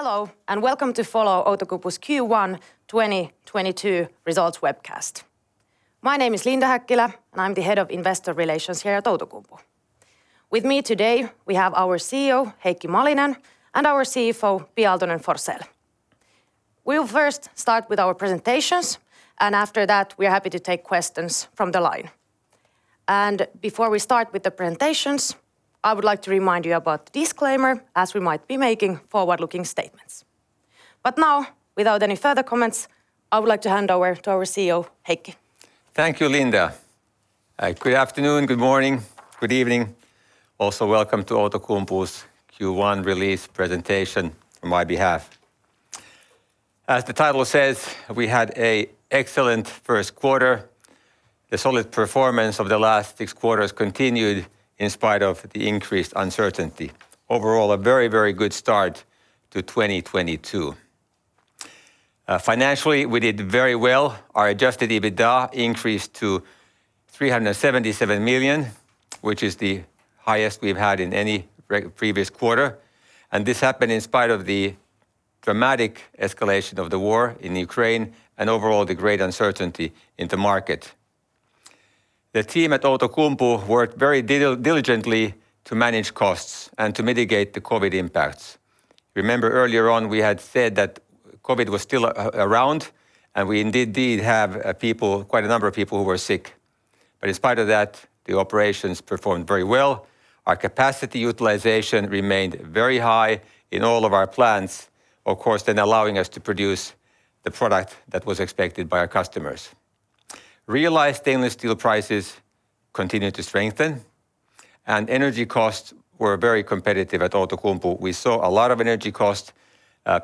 Hello, and welcome to follow Outokumpu's Q1 2022 results webcast. My name is Linda Häkkilä, and I'm the head of investor relations here at Outokumpu. With me today, we have our CEO, Heikki Malinen, and our CFO, Pia Aaltonen-Forsell. We'll first start with our presentations, and after that, we are happy to take questions from the line. Before we start with the presentations, I would like to remind you about disclaimer as we might be making forward-looking statements. Now, without any further comments, I would like to hand over to our CEO, Heikki. Thank you, Linda. Good afternoon, good morning, good evening. Also, welcome to Outokumpu's Q1 release presentation on my behalf. As the title says, we had an excellent first quarter. The solid performance of the last six quarters continued in spite of the increased uncertainty. Overall, a very, very good start to 2022. Financially, we did very well. Our adjusted EBITDA increased to 377 million, which is the highest we've had in any previous quarter. This happened in spite of the dramatic escalation of the war in Ukraine and overall the great uncertainty in the market. The team at Outokumpu worked very diligently to manage costs and to mitigate the COVID impacts. Remember earlier on, we had said that COVID was still around, and we indeed did have people, quite a number of people who were sick. In spite of that, the operations performed very well. Our capacity utilization remained very high in all of our plants, of course, then allowing us to produce the product that was expected by our customers. Realized stainless steel prices continued to strengthen, and energy costs were very competitive at Outokumpu. We saw a lot of energy cost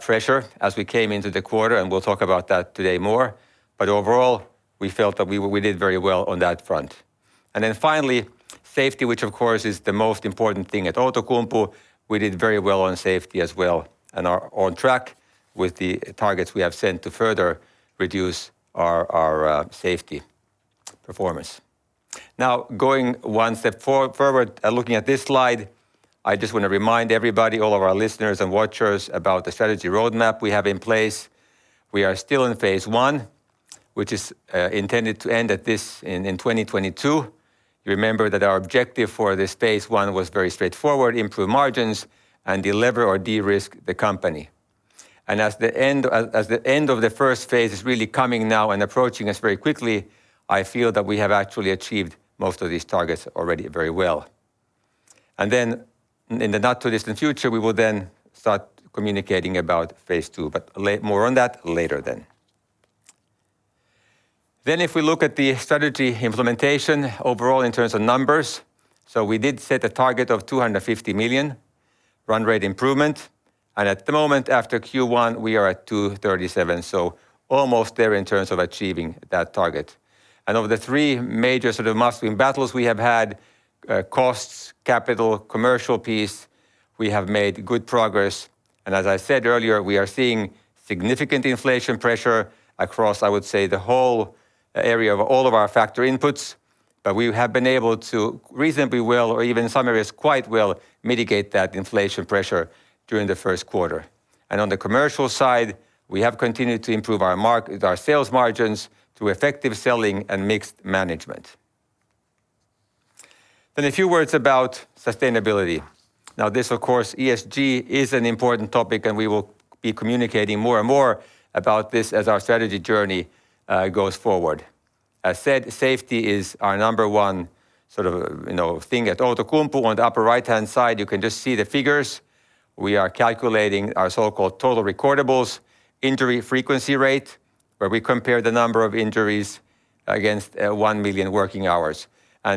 pressure as we came into the quarter, and we'll talk about that today more. Overall, we felt that we did very well on that front. Then finally, safety, which of course is the most important thing at Outokumpu. We did very well on safety as well and are on track with the targets we have set to further reduce our safety performance. Now, going one step forward, looking at this slide, I just wanna remind everybody, all of our listeners and watchers, about the strategy roadmap we have in place. We are still in phase I, which is intended to end in 2022. Remember that our objective for this phase I was very straightforward, improve margins and delever or de-risk the company. As the end of the phase I is really coming now and approaching us very quickly, I feel that we have actually achieved most of these targets already very well. In the not-too-distant future, we will then start communicating about phase II, but more on that later then. If we look at the strategy implementation overall in terms of numbers, so we did set a target of 250 million run rate improvement. At the moment after Q1, we are at 237, so almost there in terms of achieving that target. Of the three major sort of must-win battles we have had, costs, capital, commercial piece, we have made good progress. As I said earlier, we are seeing significant inflation pressure across, I would say, the whole area of all of our factor inputs, but we have been able to reasonably well, or even in some areas quite well, mitigate that inflation pressure during the first quarter. On the commercial side, we have continued to improve our sales margins through effective selling and mixed management. A few words about sustainability. This, of course, ESG is an important topic, and we will be communicating more and more about this as our strategy journey goes forward. As said, safety is our number one sort of, you know, thing at Outokumpu. On the upper right-hand side, you can just see the figures. We are calculating our so-called Total Recordable Injury Frequency Rate, where we compare the number of injuries against 1 million working hours.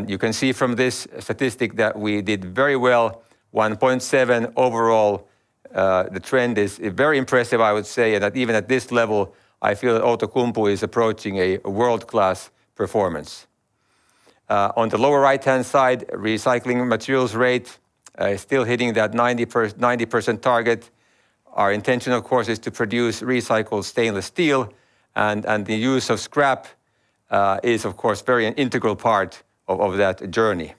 You can see from this statistic that we did very well, 1.7 overall. The trend is very impressive, I would say, that even at this level, I feel that Outokumpu is approaching a world-class performance. On the lower right-hand side, recycling materials rate still hitting that 90% target. Our intention, of course, is to produce recycled stainless steel and the use of scrap is of course very integral part of that journey.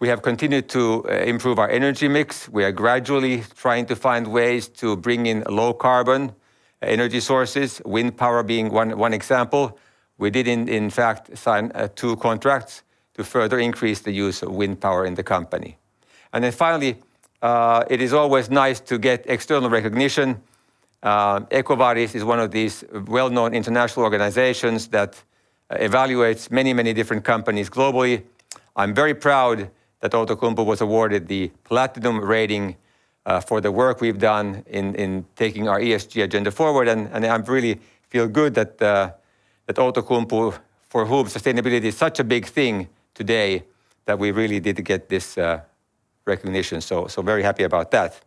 We have continued to improve our energy mix. We are gradually trying to find ways to bring in low carbon energy sources, wind power being one example. We did in fact sign two contracts to further increase the use of wind power in the company. Finally, it is always nice to get external recognition. EcoVadis is one of these well-known international organizations that evaluates many different companies globally. I'm very proud that Outokumpu was awarded the platinum rating for the work we've done in taking our ESG agenda forward, and I'm really feel good that Outokumpu, for whom sustainability is such a big thing today, that we really did get this recognition. Very happy about that.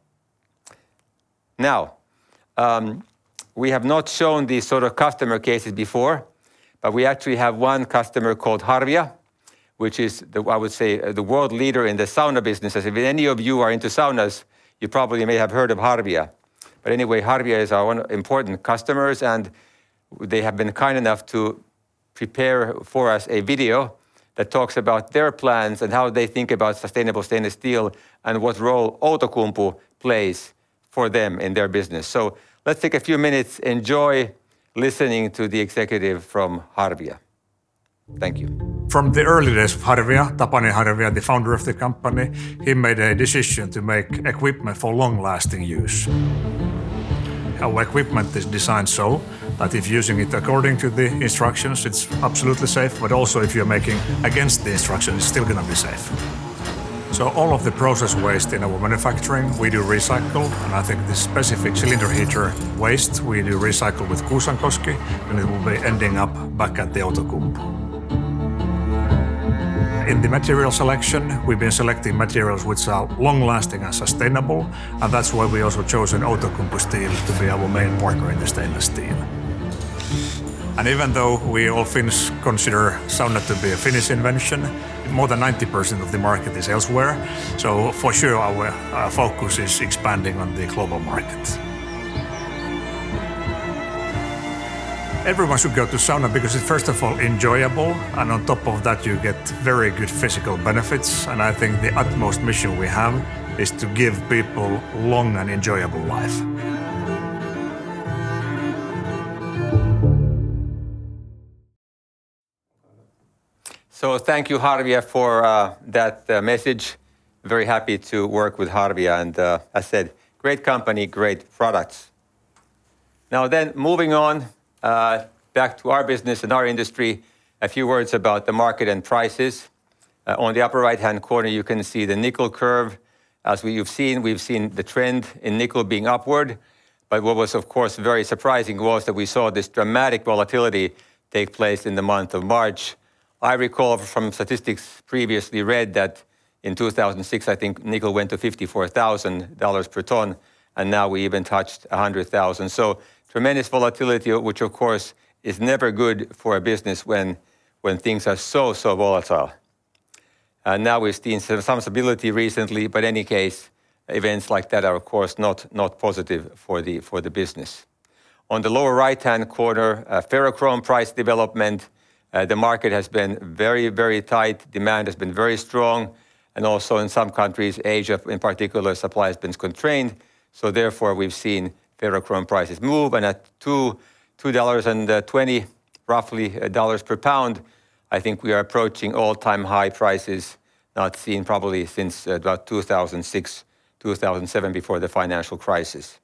Now, we have not shown these sort of customer cases before, but we actually have one customer called Harvia, which is the, I would say, the world leader in the sauna business. As if any of you are into saunas, you probably may have heard of Harvia. But anyway, Harvia is our important customers, and they have been kind enough to prepare for us a video that talks about their plans and how they think about sustainable stainless steel and what role Outokumpu plays for them in their business. Let's take a few minutes. Enjoy listening to the executive from Harvia. Thank you. From the early days of Harvia, Tapani Harvia, the founder of the company, he made a decision to make equipment for long-lasting use. Our equipment is designed so that if using it according to the instructions, it's absolutely safe, but also if you're making against the instructions, it's still gonna be safe. So all of the process waste in our manufacturing, we do recycle, and I think this specific cylinder heater waste we do recycle with Kuusakoski, and it will be ending up back at the Outokumpu. In the material selection, we've been selecting materials which are long-lasting and sustainable, and that's why we also chosen Outokumpu steel to be our main partner in the stainless steel. Even though we all Finns consider sauna to be a Finnish invention, more than 90% of the market is elsewhere. For sure our focus is expanding on the global market. Everyone should go to sauna because it's, first of all, enjoyable, and on top of that, you get very good physical benefits. I think the utmost mission we have is to give people long and enjoyable life. Thank you, Harvia, for that message. Very happy to work with Harvia, and I said, great company, great products. Now then, moving on, back to our business and our industry, a few words about the market and prices. On the upper right-hand corner, you can see the nickel curve. You've seen, we've seen the trend in nickel being upward. But what was of course very surprising was that we saw this dramatic volatility take place in the month of March. I recall from statistics previously read that in 2006, I think nickel went to $54,000 per ton, and now we even touched $100,000. Tremendous volatility, which of course is never good for a business when things are so volatile. Now we're seeing some stability recently, but in any case, events like that are of course not positive for the business. On the lower right-hand corner, ferrochrome price development, the market has been very, very tight. Demand has been very strong, and also in some countries, Asia in particular, supply has been constrained, so therefore we've seen ferrochrome prices move. At $2.20, roughly, dollars per pound, I think we are approaching all-time high prices not seen probably since about 2006, 2007 before the financial crisis.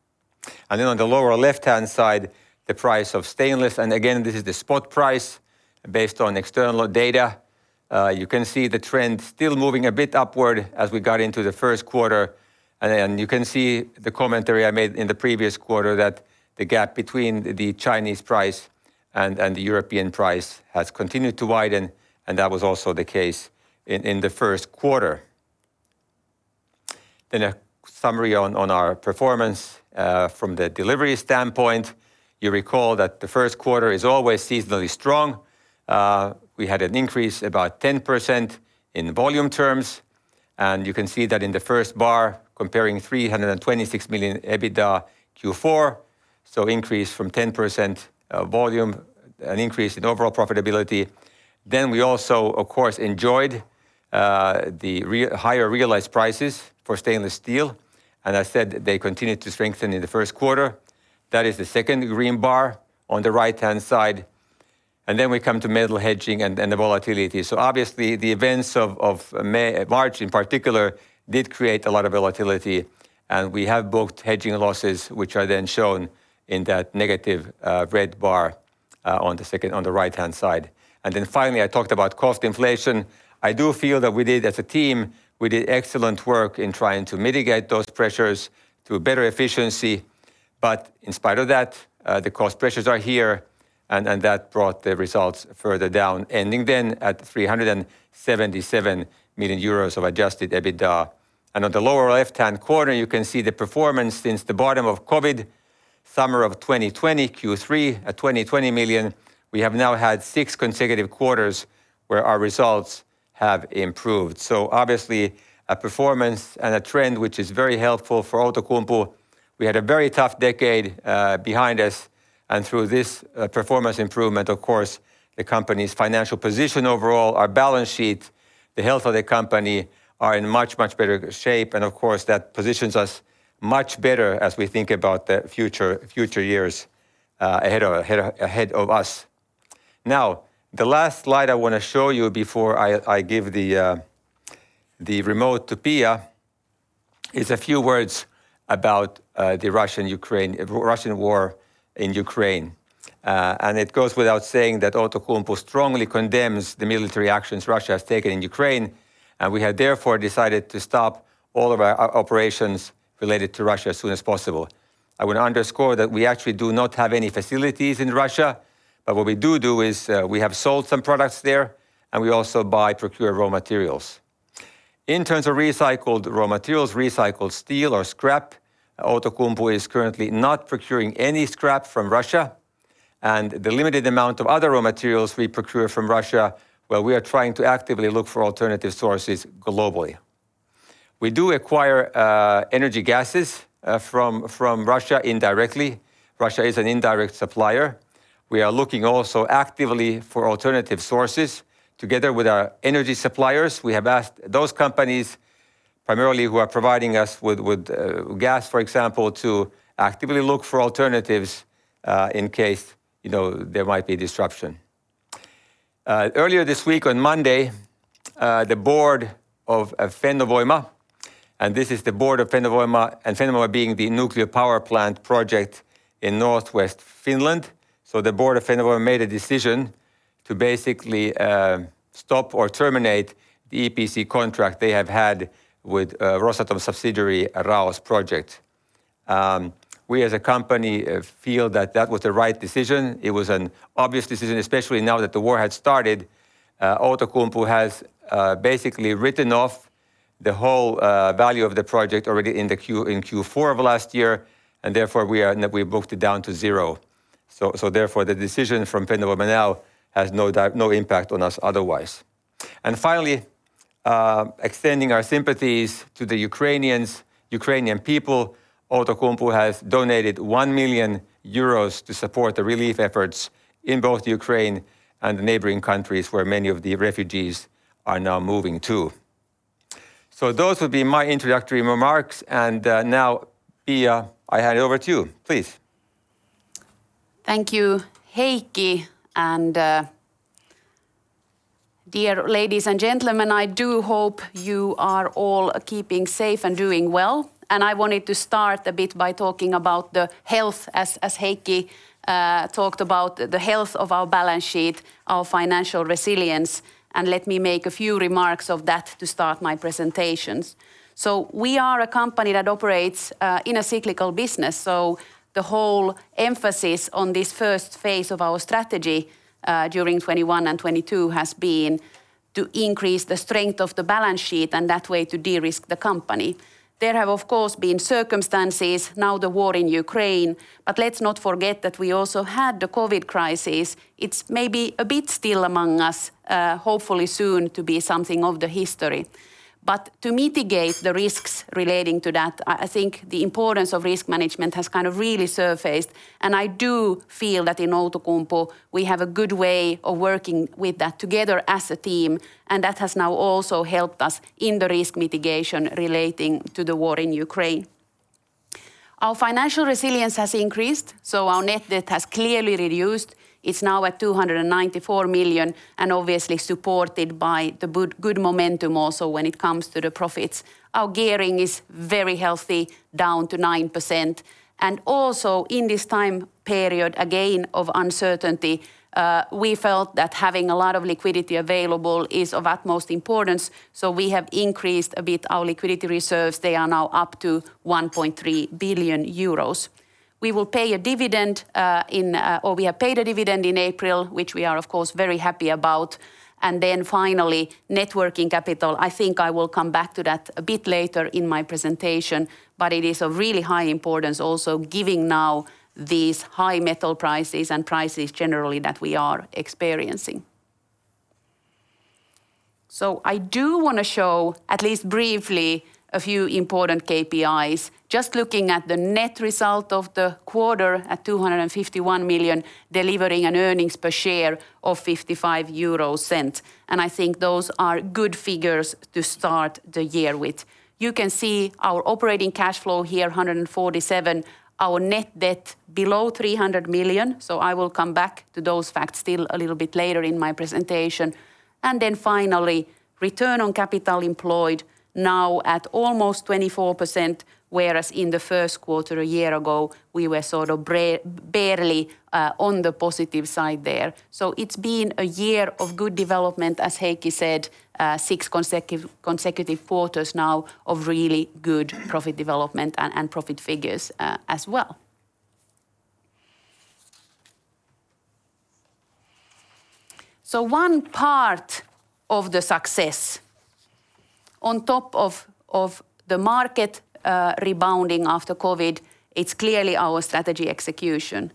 Then on the lower left-hand side, the price of stainless, and again, this is the spot price based on external data. You can see the trend still moving a bit upward as we got into the first quarter. You can see the commentary I made in the previous quarter that the gap between the Chinese price and the European price has continued to widen, and that was also the case in the first quarter. A summary on our performance from the delivery standpoint. You recall that the first quarter is always seasonally strong. We had an increase of about 10% in volume terms, and you can see that in the first bar comparing 326 million EBITDA Q4, so increase from 10% volume, an increase in overall profitability. We also of course enjoyed higher realized prices for stainless steel, and I said they continued to strengthen in the first quarter. That is the second green bar on the right-hand side. We come to metal hedging and the volatility. Obviously the events of March in particular did create a lot of volatility, and we have booked hedging losses which are then shown in that negative red bar on the right-hand side. Finally, I talked about cost inflation. I do feel that we did, as a team, excellent work in trying to mitigate those pressures through better efficiency. But in spite of that, the cost pressures are here and that brought the results further down, ending at 377 million euros of adjusted EBITDA. On the lower left-hand corner, you can see the performance since the bottom of COVID, summer of 2020, Q3, at 20 million. We have now had six consecutive quarters where our results have improved. Obviously a performance and a trend which is very helpful for Outokumpu. We had a very tough decade behind us, and through this performance improvement, of course, the company's financial position overall, our balance sheet, the health of the company are in much better shape. Of course, that positions us much better as we think about the future years ahead of us. Now, the last slide I wanna show you before I give the remote to Pia is a few words about the Russian war in Ukraine. It goes without saying that Outokumpu strongly condemns the military actions Russia has taken in Ukraine, and we have therefore decided to stop all of our operations related to Russia as soon as possible. I would underscore that we actually do not have any facilities in Russia, but what we do is, we have sold some products there, and we also buy, procure raw materials. In terms of recycled raw materials, recycled steel or scrap, Outokumpu is currently not procuring any scrap from Russia, and the limited amount of other raw materials we procure from Russia, well, we are trying to actively look for alternative sources globally. We do acquire energy gases from Russia indirectly. Russia is an indirect supplier. We are looking also actively for alternative sources. Together with our energy suppliers, we have asked those companies primarily who are providing us with gas, for example, to actively look for alternatives in case, you know, there might be disruption. Earlier this week on Monday, the board of Fennovoima, and this is the board of Fennovoima, and Fennovoima being the nuclear power plant project in northwest Finland. The board of Fennovoima made a decision to basically stop or terminate the EPC contract they have had with Rosatom subsidiary RAOS Project. We as a company feel that that was the right decision. It was an obvious decision, especially now that the war had started. Outokumpu has basically written off the whole value of the project already in Q4 of last year, and therefore we booked it down to zero. Therefore the decision from Fennovoima now has no impact on us otherwise. Finally, extending our sympathies to the Ukrainians, Ukrainian people, Outokumpu has donated 1 million euros to support the relief efforts in both Ukraine and the neighboring countries where many of the refugees are now moving to. Those would be my introductory remarks and, now, Pia, I hand over to you. Please. Thank you, Heikki. Dear ladies and gentlemen, I do hope you are all keeping safe and doing well. I wanted to start a bit by talking about the health, as Heikki talked about the health of our balance sheet, our financial resilience, and let me make a few remarks of that to start my presentations. We are a company that operates in a cyclical business. The whole emphasis on this phase I of our strategy during 2021 and 2022 has been to increase the strength of the balance sheet and that way to de-risk the company. There have, of course, been circumstances, now the war in Ukraine, but let's not forget that we also had the COVID crisis. It's maybe a bit still among us, hopefully soon to be something of the history. To mitigate the risks relating to that, I think the importance of risk management has kind of really surfaced. I do feel that in Outokumpu we have a good way of working with that together as a team, and that has now also helped us in the risk mitigation relating to the war in Ukraine. Our financial resilience has increased, so our net debt has clearly reduced. It's now at 294 million, and obviously supported by the good momentum also when it comes to the profits. Our gearing is very healthy, down to 9%. Also in this time period, again of uncertainty, we felt that having a lot of liquidity available is of utmost importance, so we have increased a bit our liquidity reserves. They are now up to 1.3 billion euros. We will pay a dividend, or we have paid a dividend in April, which we are of course very happy about. Then finally, net working capital, I think I will come back to that a bit later in my presentation. It is of really high importance also giving now these high metal prices and prices generally that we are experiencing. I do wanna show at least briefly a few important KPIs. Just looking at the net result of the quarter at 251 million, delivering an earnings per share of 0.55 EUR. I think those are good figures to start the year with. You can see our operating cash flow here, 147 million. Our net debt below 300 million, so I will come back to those facts still a little bit later in my presentation. Return on capital employed now at almost 24%, whereas in the first quarter a year ago we were sort of barely on the positive side there. It's been a year of good development, as Heikki said, six consecutive quarters now of really good profit development and profit figures as well. One part of the success on top of the market rebounding after COVID, it's clearly our strategy execution.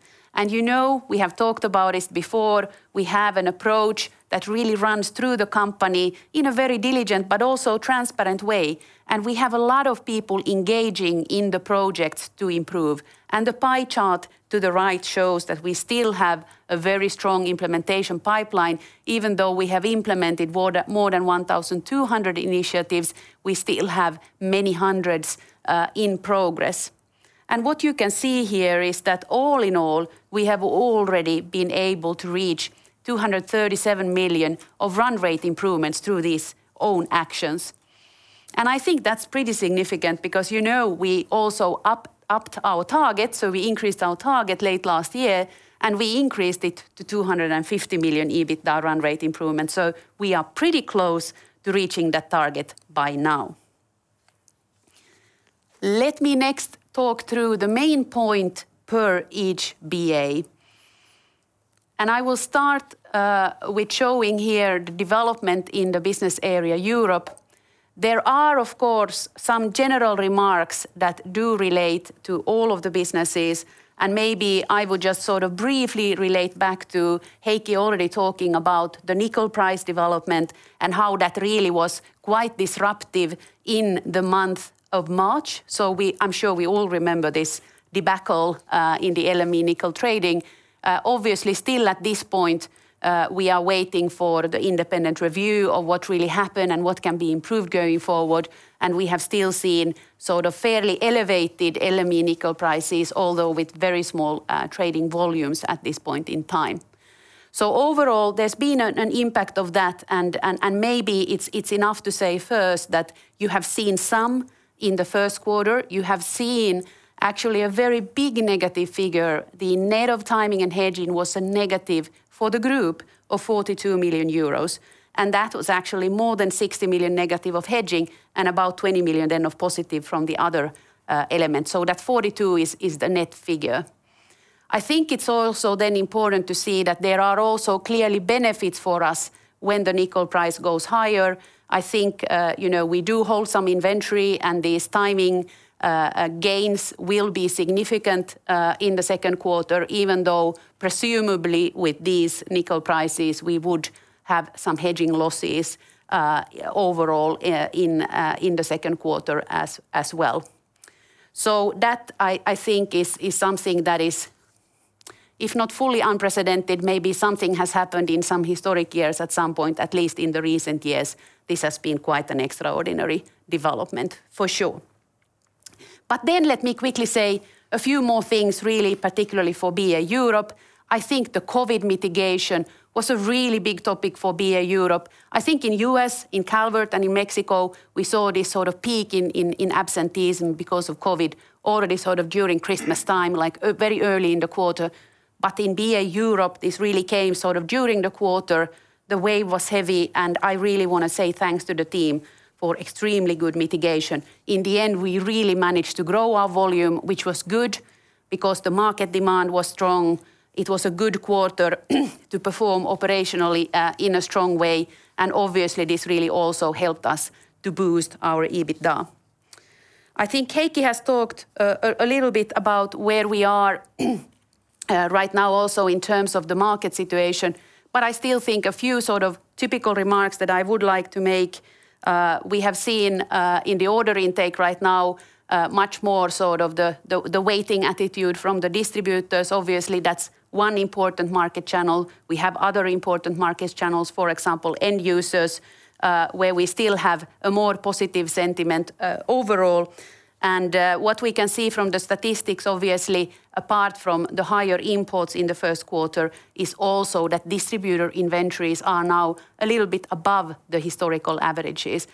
You know we have talked about this before. We have an approach that really runs through the company in a very diligent but also transparent way. We have a lot of people engaging in the projects to improve. The pie chart to the right shows that we still have a very strong implementation pipeline. Even though we have implemented more than 1,200 initiatives, we still have many hundreds in progress. What you can see here is that all in all, we have already been able to reach 237 million of run rate improvements through these own actions. I think that's pretty significant because, you know, we also upped our target, so we increased our target late last year, and we increased it to 250 million EBITDA run rate improvement, so we are pretty close to reaching that target by now. Let me next talk through the main point per each BA. I will start with showing here the development in the Business Area Europe. There are, of course, some general remarks that do relate to all of the businesses, and maybe I would just sort of briefly relate back to Heikki already talking about the nickel price development and how that really was quite disruptive in the month of March. I'm sure we all remember this debacle in the LME nickel trading. Obviously still at this point, we are waiting for the independent review of what really happened and what can be improved going forward, and we have still seen sort of fairly elevated LME nickel prices, although with very small trading volumes at this point in time. Overall, there's been an impact of that and maybe it's enough to say first that you have seen some in the first quarter. You have seen actually a very big negative figure. The net of timing and hedging was a negative for the group of 42 million euros, and that was actually more than 60 million negative of hedging and about 20 million then of positive from the other elements. That 42 is the net figure. I think it's also then important to see that there are also clearly benefits for us when the nickel price goes higher. I think, you know, we do hold some inventory, and these timing gains will be significant in the second quarter, even though presumably with these nickel prices, we would have some hedging losses overall in the second quarter as well. I think is something that is, if not fully unprecedented, maybe something has happened in some historic years at some point, at least in the recent years, this has been quite an extraordinary development for sure. Let me quickly say a few more things really particularly for BA Europe. I think the COVID mitigation was a really big topic for BA Europe. I think in U.S., in Calvert, and in Mexico, we saw this sort of peak in absenteeism because of COVID already sort of during Christmas time, like, very early in the quarter. In BA Europe, this really came sort of during the quarter. The wave was heavy, and I really wanna say thanks to the team for extremely good mitigation. In the end, we really managed to grow our volume, which was good because the market demand was strong. It was a good quarter to perform operationally in a strong way, and obviously this really also helped us to boost our EBITDA. I think Heikki has talked a little bit about where we are right now also in terms of the market situation, but I still think a few sort of typical remarks that I would like to make. We have seen in the order intake right now much more sort of the waiting attitude from the distributors. Obviously, that's one important market channel. We have other important market channels, for example, end users, where we still have a more positive sentiment overall. What we can see from the statistics, obviously, apart from the higher imports in the first quarter, is also that distributor inventories are now a little bit above the historical averages.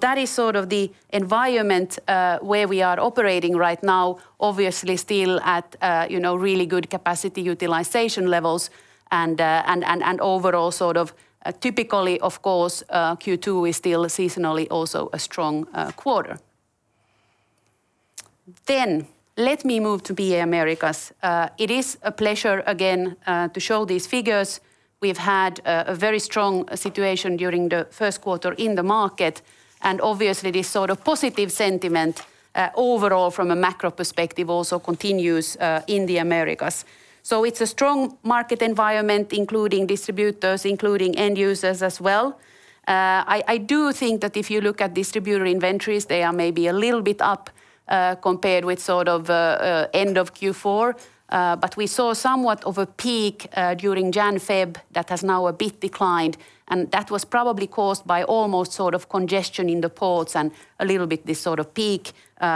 That is sort of the environment where we are operating right now, obviously still at, you know, really good capacity utilization levels and overall sort of typically, of course, Q2 is still seasonally also a strong quarter. Let me move to BA Americas. It is a pleasure again to show these figures. We've had a very strong situation during the first quarter in the market, and obviously this sort of positive sentiment overall from a macro perspective also continues in the Americas. It's a strong market environment, including distributors, including end users as well. I do think that if you look at distributor inventories, they are maybe a little bit up compared with sort of end of Q4. We saw somewhat of a peak during Jan/Feb that has now a bit declined, and that was probably caused by almost sort of congestion in the ports and a little bit this sort of peak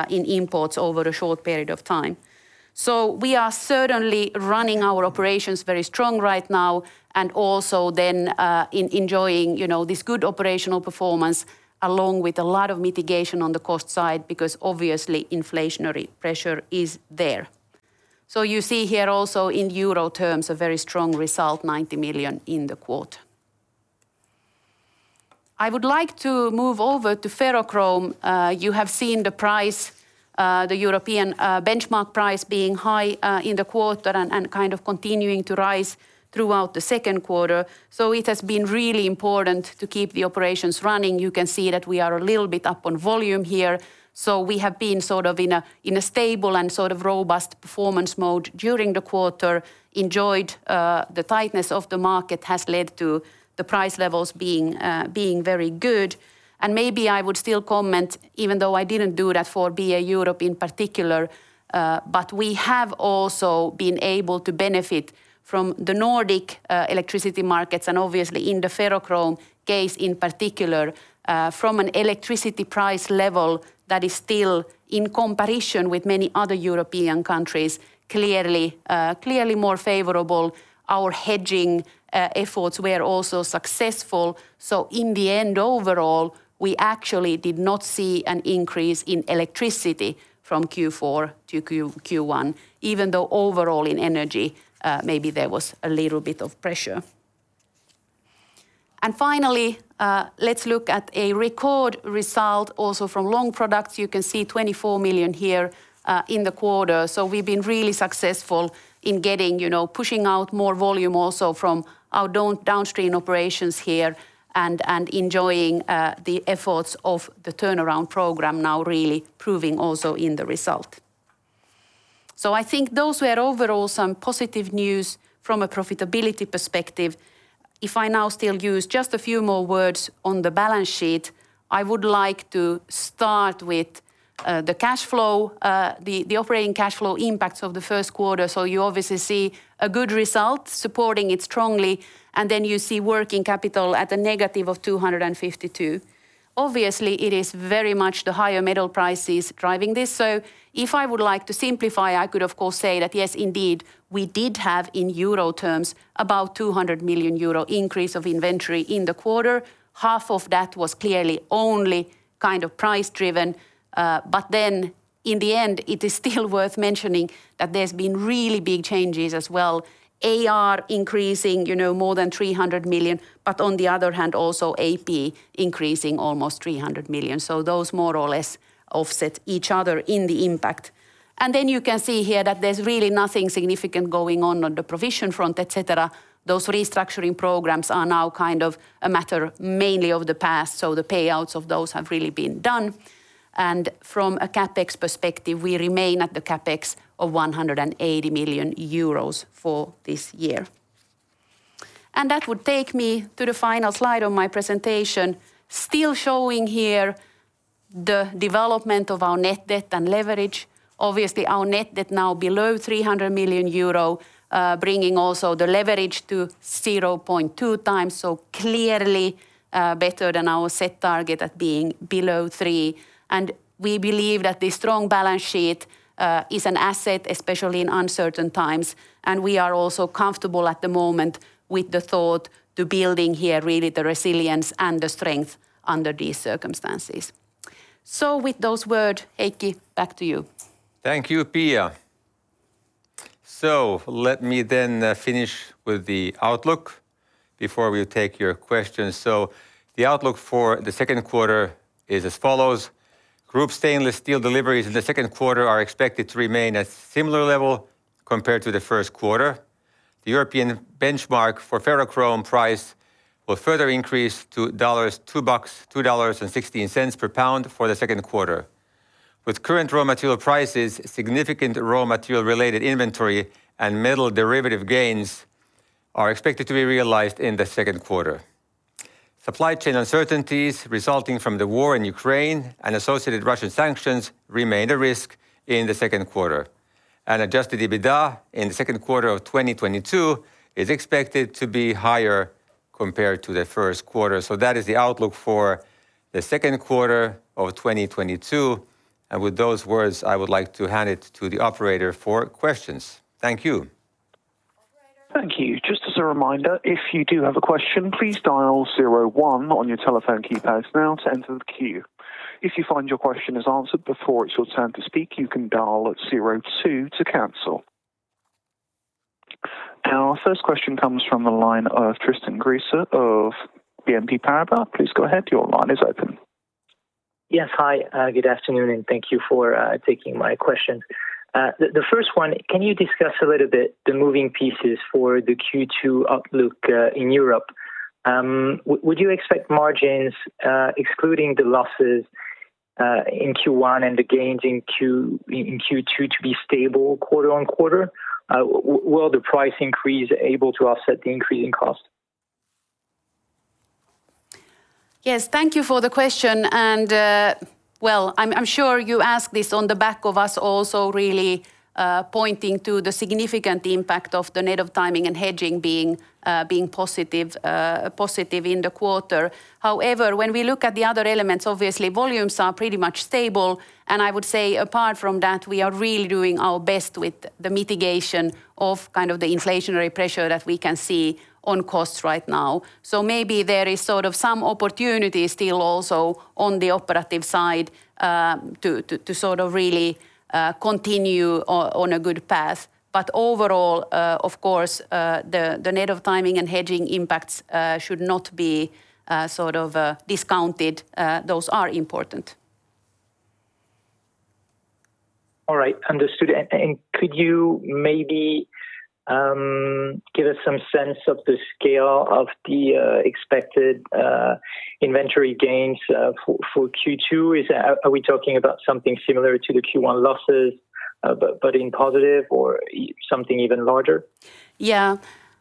in imports over a short period of time. We are certainly running our operations very strong right now and also then enjoying, you know, this good operational performance along with a lot of mitigation on the cost side because obviously inflationary pressure is there. You see here also in euro terms a very strong result, 90 million in the quarter. I would like to move over to ferrochrome. You have seen the price, the European benchmark price being high in the quarter and kind of continuing to rise throughout the second quarter. It has been really important to keep the operations running. You can see that we are a little bit up on volume here. We have been sort of in a stable and sort of robust performance mode during the quarter. The tightness of the market has led to the price levels being very good. Maybe I would still comment, even though I didn't do that for BA Europe in particular, but we have also been able to benefit from the Nordic electricity markets and obviously in the ferrochrome case in particular, from an electricity price level that is still in comparison with many other European countries clearly more favorable. Our hedging efforts were also successful. In the end overall, we actually did not see an increase in electricity from Q4 to Q1, even though overall in energy, maybe there was a little bit of pressure. Finally, let's look at a record result also from long products. You can see 24 million here, in the quarter. We've been really successful in getting, you know, pushing out more volume also from our downstream operations here and enjoying the efforts of the turnaround program now really proving also in the result. I think those were overall some positive news from a profitability perspective. If I now still use just a few more words on the balance sheet, I would like to start with the cash flow, the operating cash flow impacts of the first quarter. You obviously see a good result supporting it strongly, and then you see working capital at -252. Obviously, it is very much the higher metal prices driving this. If I would like to simplify, I could of course say that yes, indeed, we did have in EUR terms about 200 million euro increase of inventory in the quarter. Half of that was clearly only kind of price driven. In the end, it is still worth mentioning that there's been really big changes as well. AR increasing, you know, more than 300 million, but on the other hand also AP increasing almost 300 million. Those more or less offset each other in the impact. You can see here that there's really nothing significant going on on the provision front, et cetera. Those restructuring programs are now kind of a matter mainly of the past, so the payouts of those have really been done. From a CapEx perspective, we remain at the CapEx of 180 million euros for this year. That would take me to the final slide of my presentation, still showing here the development of our net debt and leverage. Obviously, our net debt now below 300 million euro, bringing also the leverage to 0.2x, so clearly, better than our set target at being below three. We believe that the strong balance sheet is an asset, especially in uncertain times. We are also comfortable at the moment with the thought to building here really the resilience and the strength under these circumstances. With those words, Heikki, back to you. Thank you, Pia. Let me then finish with the outlook before we take your questions. The outlook for the second quarter is as follows. Group stainless steel deliveries in the second quarter are expected to remain at similar level compared to the first quarter. The European benchmark for ferrochrome price will further increase to $2.16 per pound for the second quarter. With current raw material prices, significant raw material related inventory and metal derivative gains are expected to be realized in the second quarter. Supply chain uncertainties resulting from the war in Ukraine and associated Russian sanctions remain a risk in the second quarter. Adjusted EBITDA in the second quarter of 2022 is expected to be higher compared to the first quarter. That is the outlook for the second quarter of 2022. With those words, I would like to hand it to the operator for questions. Thank you. Thank you. Just as a reminder, if you do have a question, please dial zero one on your telephone keypads now to enter the queue. If you find your question is answered before it's your turn to speak, you can dial zero two to cancel. Our first question comes from the line of Tristan Gresser of BNP Paribas. Please go ahead, your line is open. Yes. Hi, good afternoon, and thank you for taking my question. The first one, can you discuss a little bit the moving pieces for the Q2 outlook in Europe? Would you expect margins excluding the losses in Q1 and the gains in Q2 to be stable quarter-on-quarter? Will the price increase able to offset the increase in cost? Yes. Thank you for the question, and, well, I'm sure you ask this on the back of us also really pointing to the significant impact of the net of timing and hedging being positive in the quarter. However, when we look at the other elements, obviously volumes are pretty much stable. I would say apart from that, we are really doing our best with the mitigation of kind of the inflationary pressure that we can see on costs right now. Maybe there is sort of some opportunity still also on the operative side to sort of really continue on a good path. Overall, of course, the net of timing and hedging impacts should not be sort of discounted. Those are important. All right. Understood. Could you maybe give us some sense of the scale of the expected inventory gains for Q2? Are we talking about something similar to the Q1 losses but in positive or something even larger? Yeah.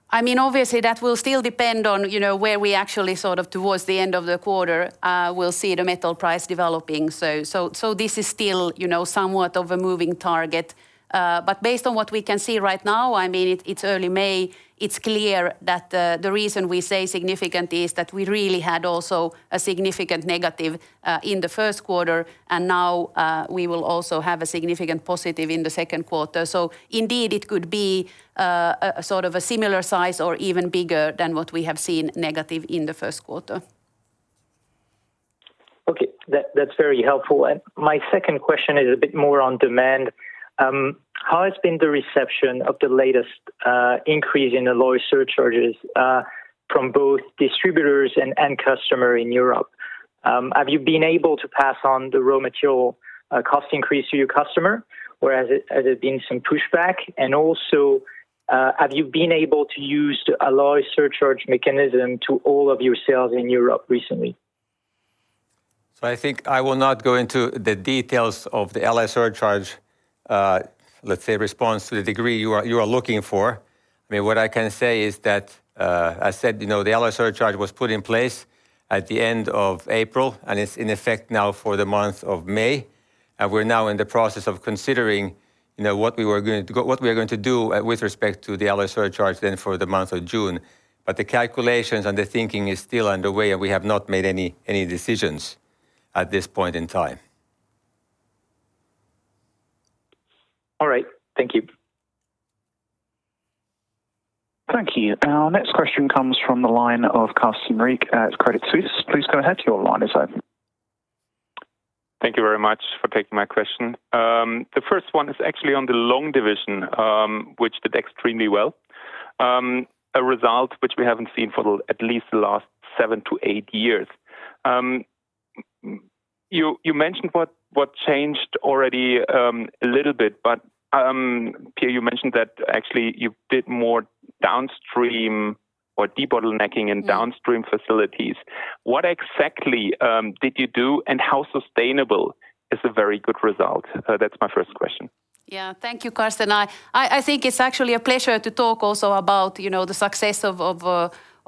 I mean, obviously that will still depend on, you know, where we actually sort of towards the end of the quarter, will see the metal price developing. This is still, you know, somewhat of a moving target. Based on what we can see right now, I mean, it's early May, it's clear that the reason we say significant is that we really had also a significant negative in the first quarter and now we will also have a significant positive in the second quarter. Indeed it could be a sort of a similar size or even bigger than what we have seen negative in the first quarter. That's very helpful. My second question is a bit more on demand. How has been the reception of the latest increase in the alloy surcharges from both distributors and customer in Europe? Have you been able to pass on the raw material cost increase to your customer, or has there been some pushback? Also, have you been able to use the alloy surcharge mechanism to all of your sales in Europe recently? I think I will not go into the details of the alloy surcharge, let's say response to the degree you are looking for. I mean, what I can say is that, I said, you know, the alloy surcharge was put in place at the end of April, and it's in effect now for the month of May. We're now in the process of considering, you know, what we are going to do with respect to the alloy surcharge then for the month of June. The calculations and the thinking is still underway, and we have not made any decisions at this point in time. All right. Thank you. Thank you. Our next question comes from the line of Carsten Riek at Credit Suisse. Please go ahead, your line is open. Thank you very much for taking my question. The first one is actually on the long products, which did extremely well. A result which we haven't seen for at least the last seven-eight years. You mentioned what changed already a little bit, but Pia, you mentioned that actually you did more downstream or debottlenecking in downstream facilities. What exactly did you do, and how sustainable is a very good result? That's my first question. Yeah. Thank you, Carsten. I think it's actually a pleasure to talk also about, you know, the success of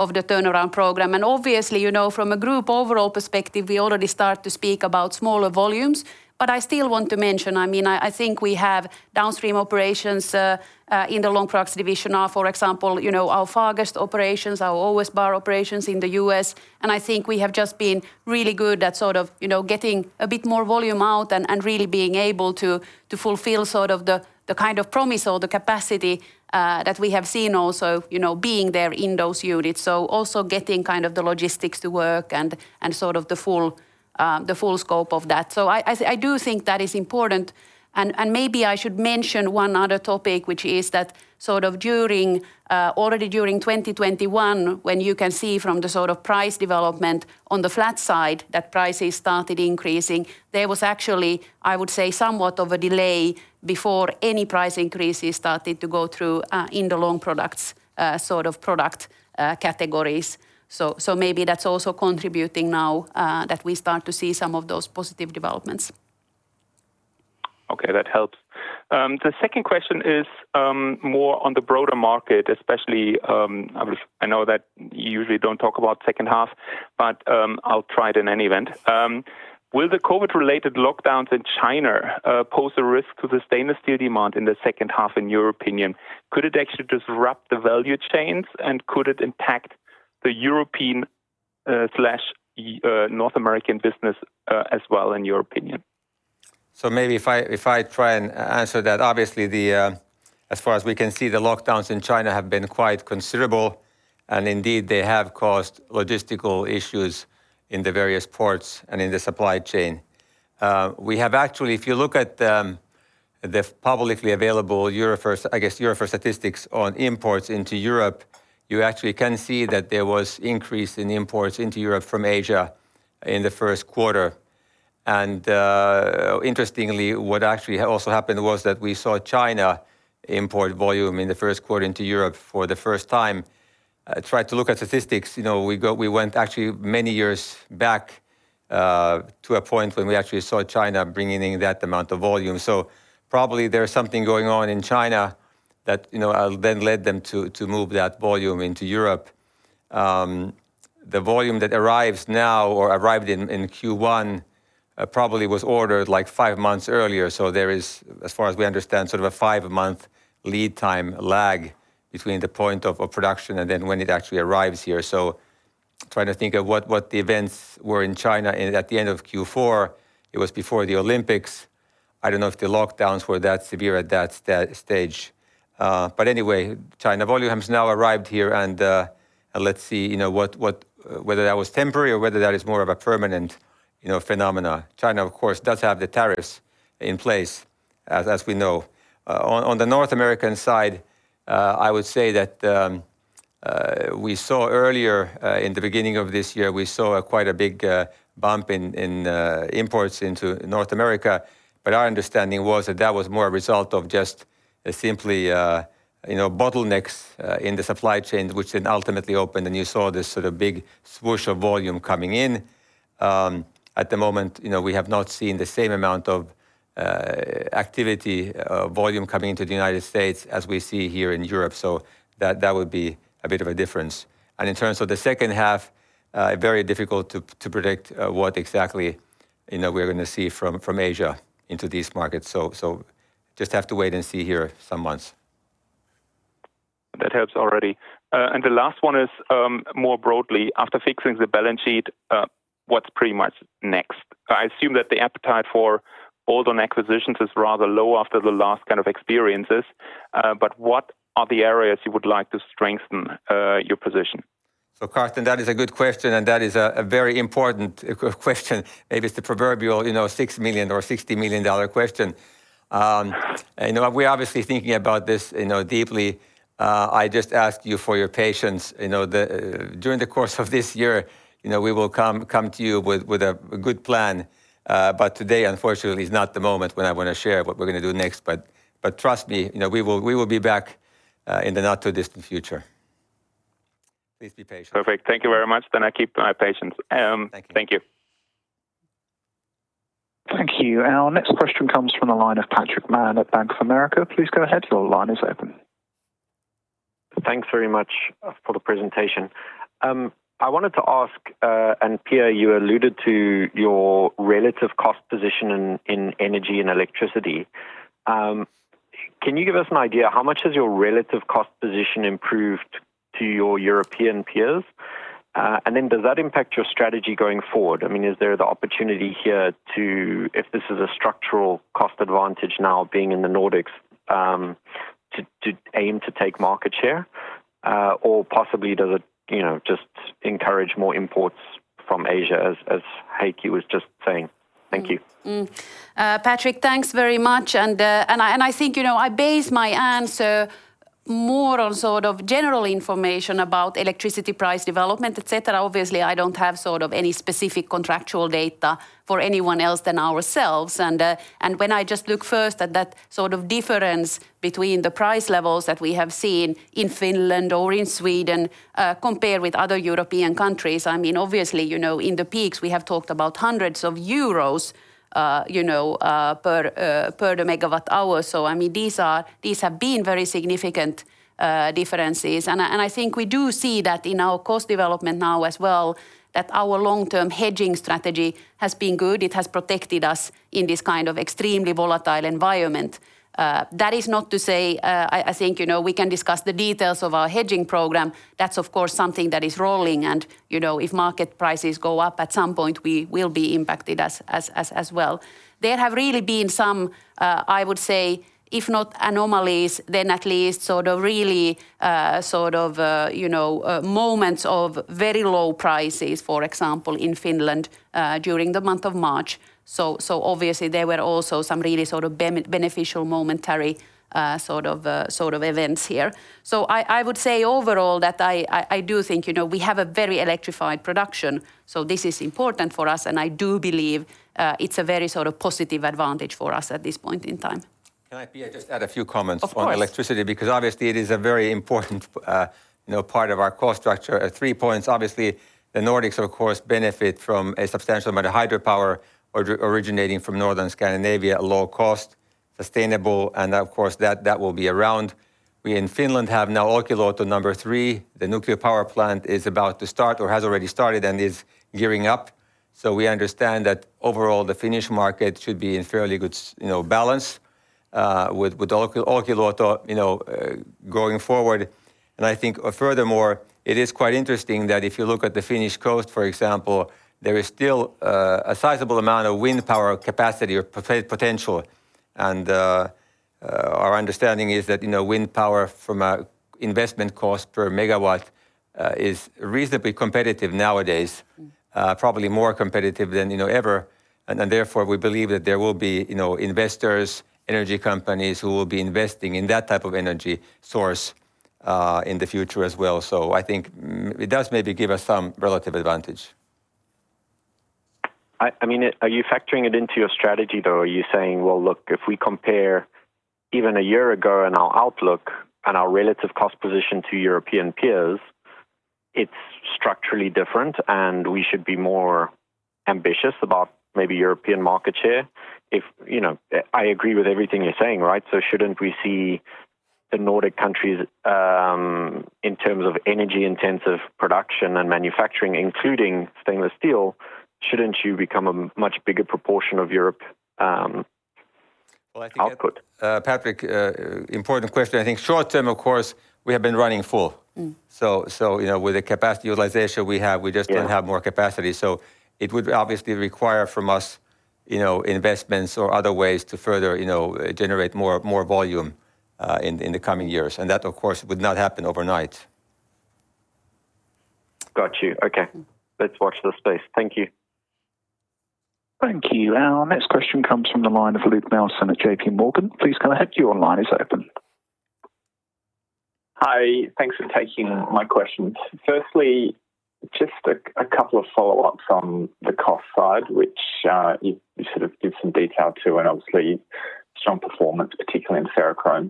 the turnaround program. Obviously, you know, from a group overall perspective, we already start to speak about smaller volumes, but I still want to mention, I mean, I think we have downstream operations in the long products division are, for example, you know, our Fagersta operations, our OSB operations in the U.S. I think we have just been really good at sort of, you know, getting a bit more volume out and really being able to fulfill sort of the kind of promise or the capacity that we have seen also, you know, being there in those units. Also getting kind of the logistics to work and sort of the full scope of that. I do think that is important. Maybe I should mention one other topic, which is that during already during 2021, when you can see from the sort of price development on the flat side that prices started increasing, there was actually, I would say, somewhat of a delay before any price increases started to go through in the long products sort of product categories. Maybe that's also contributing now that we start to see some of those positive developments. Okay. That helps. The second question is, more on the broader market, especially, I know that you usually don't talk about second half, but, I'll try it in any event. Will the COVID-related lockdowns in China pose a risk to the stainless steel demand in the second half, in your opinion? Could it actually disrupt the value chains, and could it impact the European, slash, North American business, as well, in your opinion? Maybe if I try and answer that, obviously as far as we can see, the lockdowns in China have been quite considerable, and indeed they have caused logistical issues in the various ports and in the supply chain. We have actually, if you look at the publicly available Eurofer statistics on imports into Europe, you actually can see that there was increase in imports into Europe from Asia in the first quarter. Interestingly, what actually also happened was that we saw Chinese import volume in the first quarter into Europe for the first time. I tried to look at statistics, we went actually many years back to a point when we actually saw China bringing in that amount of volume. Probably there's something going on in China that, you know, then led them to move that volume into Europe. The volume that arrives now or arrived in Q1 probably was ordered like five months earlier. There is, as far as we understand, sort of a five-month lead time lag between the point of production and then when it actually arrives here. Trying to think of what the events were in China at the end of Q4, it was before the Olympics. I don't know if the lockdowns were that severe at that stage. But anyway, China volume has now arrived here and let's see, you know, what whether that was temporary or whether that is more of a permanent, you know, phenomena. China, of course, does have the tariffs in place as we know. On the North American side, I would say that we saw earlier in the beginning of this year a quite big bump in imports into North America. Our understanding was that that was more a result of just simply you know bottlenecks in the supply chains, which then ultimately opened, and you saw this sort of big swoosh of volume coming in. At the moment, you know, we have not seen the same amount of activity volume coming into the United States as we see here in Europe. That would be a bit of a difference. In terms of the second half, very difficult to predict what exactly, you know, we're gonna see from Asia into these markets. Just have to wait and see here some months. That helps already. The last one is more broadly. After fixing the balance sheet, what's pretty much next? I assume that the appetite for acquisitions is rather low after the last kind of experiences. What are the areas you would like to strengthen your position? Carsten, that is a good question, and that is a very important question. Maybe it's the proverbial, you know, $6 million or $60 million dollar question. You know what? We're obviously thinking about this, you know, deeply. I just ask you for your patience. You know, during the course of this year, you know, we will come to you with a good plan. Today unfortunately is not the moment when I wanna share what we're gonna do next. Trust me, you know, we will be back in the not too distant future. Please be patient. Perfect. Thank you very much. I keep my patience. Thank you. Thank you. Thank you. Our next question comes from the line of Patrick Mann at Bank of America. Please go ahead. Your line is open. Thanks very much for the presentation. I wanted to ask Pia, you alluded to your relative cost position in energy and electricity. Can you give us an idea how much has your relative cost position improved to your European peers? Does that impact your strategy going forward? I mean, is there the opportunity here to, if this is a structural cost advantage now being in the Nordics, to aim to take market share? Possibly does it, you know, just encourage more imports from Asia as Heikki was just saying? Thank you. Patrick, thanks very much. I think, you know, I base my answer more on sort of general information about electricity price development, et cetera. Obviously, I don't have sort of any specific contractual data for anyone else than ourselves. When I just look first at that sort of difference between the price levels that we have seen in Finland or in Sweden, compared with other European countries, I mean, obviously, you know, in the peaks we have talked about hundreds of EUR, you know, per megawatt hour. I mean, these have been very significant differences. I think we do see that in our cost development now as well, that our long-term hedging strategy has been good. It has protected us in this kind of extremely volatile environment. That is not to say, I think, you know, we can discuss the details of our hedging program. That's of course something that is rolling and, you know, if market prices go up at some point, we will be impacted as well. There have really been some, I would say if not anomalies then at least sort of really, sort of, you know, moments of very low prices, for example, in Finland, during the month of March. Obviously there were also some really sort of beneficial momentary, sort of events here. I would say overall that I do think, you know, we have a very electrified production, so this is important for us and I do believe, it's a very sort of positive advantage for us at this point in time. Can I, Pia, just add a few comments? Of course. on electricity? Because obviously it is a very important, you know, part of our cost structure. Three points, obviously, the Nordics of course benefit from a substantial amount of hydropower originating from Northern Scandinavia at low cost, sustainable, and of course that will be around. We in Finland have now Olkiluoto number three. The nuclear power plant is about to start or has already started and is gearing up, so we understand that overall the Finnish market should be in fairly good, you know, balance with Olkiluoto, you know, going forward. I think furthermore it is quite interesting that if you look at the Finnish coast, for example, there is still a sizable amount of wind power capacity or potential. Our understanding is that, you know, wind power from an investment cost per megawatt is reasonably competitive nowadays, probably more competitive than, you know, ever. Therefore we believe that there will be, you know, investors, energy companies who will be investing in that type of energy source in the future as well. I think it does maybe give us some relative advantage. I mean, are you factoring it into your strategy though? Are you saying, well, look, if we compare even a year ago and our outlook and our relative cost position to European peers, it's structurally different and we should be more ambitious about maybe European market share? If you know, I agree with everything you're saying, right? Shouldn't we see the Nordic countries in terms of energy intensive production and manufacturing, including stainless steel, shouldn't you become a much bigger proportion of Europe output? Well, I think that, Patrick, important question. I think short term, of course, we have been running full. Mm. You know, with the capacity utilization we have, we just. Yeah. Don't have more capacity. It would obviously require from us, you know, investments or other ways to further, you know, generate more volume, in the coming years. That of course would not happen overnight. Got you. Okay. Let's watch this space. Thank you. Thank you. Our next question comes from the line of Luke Nelson at JPMorgan. Please go ahead. Your line is open. Hi. Thanks for taking my questions. Firstly, just a couple of follow-ups on the cost side, which you sort of gave some detail to and obviously strong performance, particularly in Ferrochrome.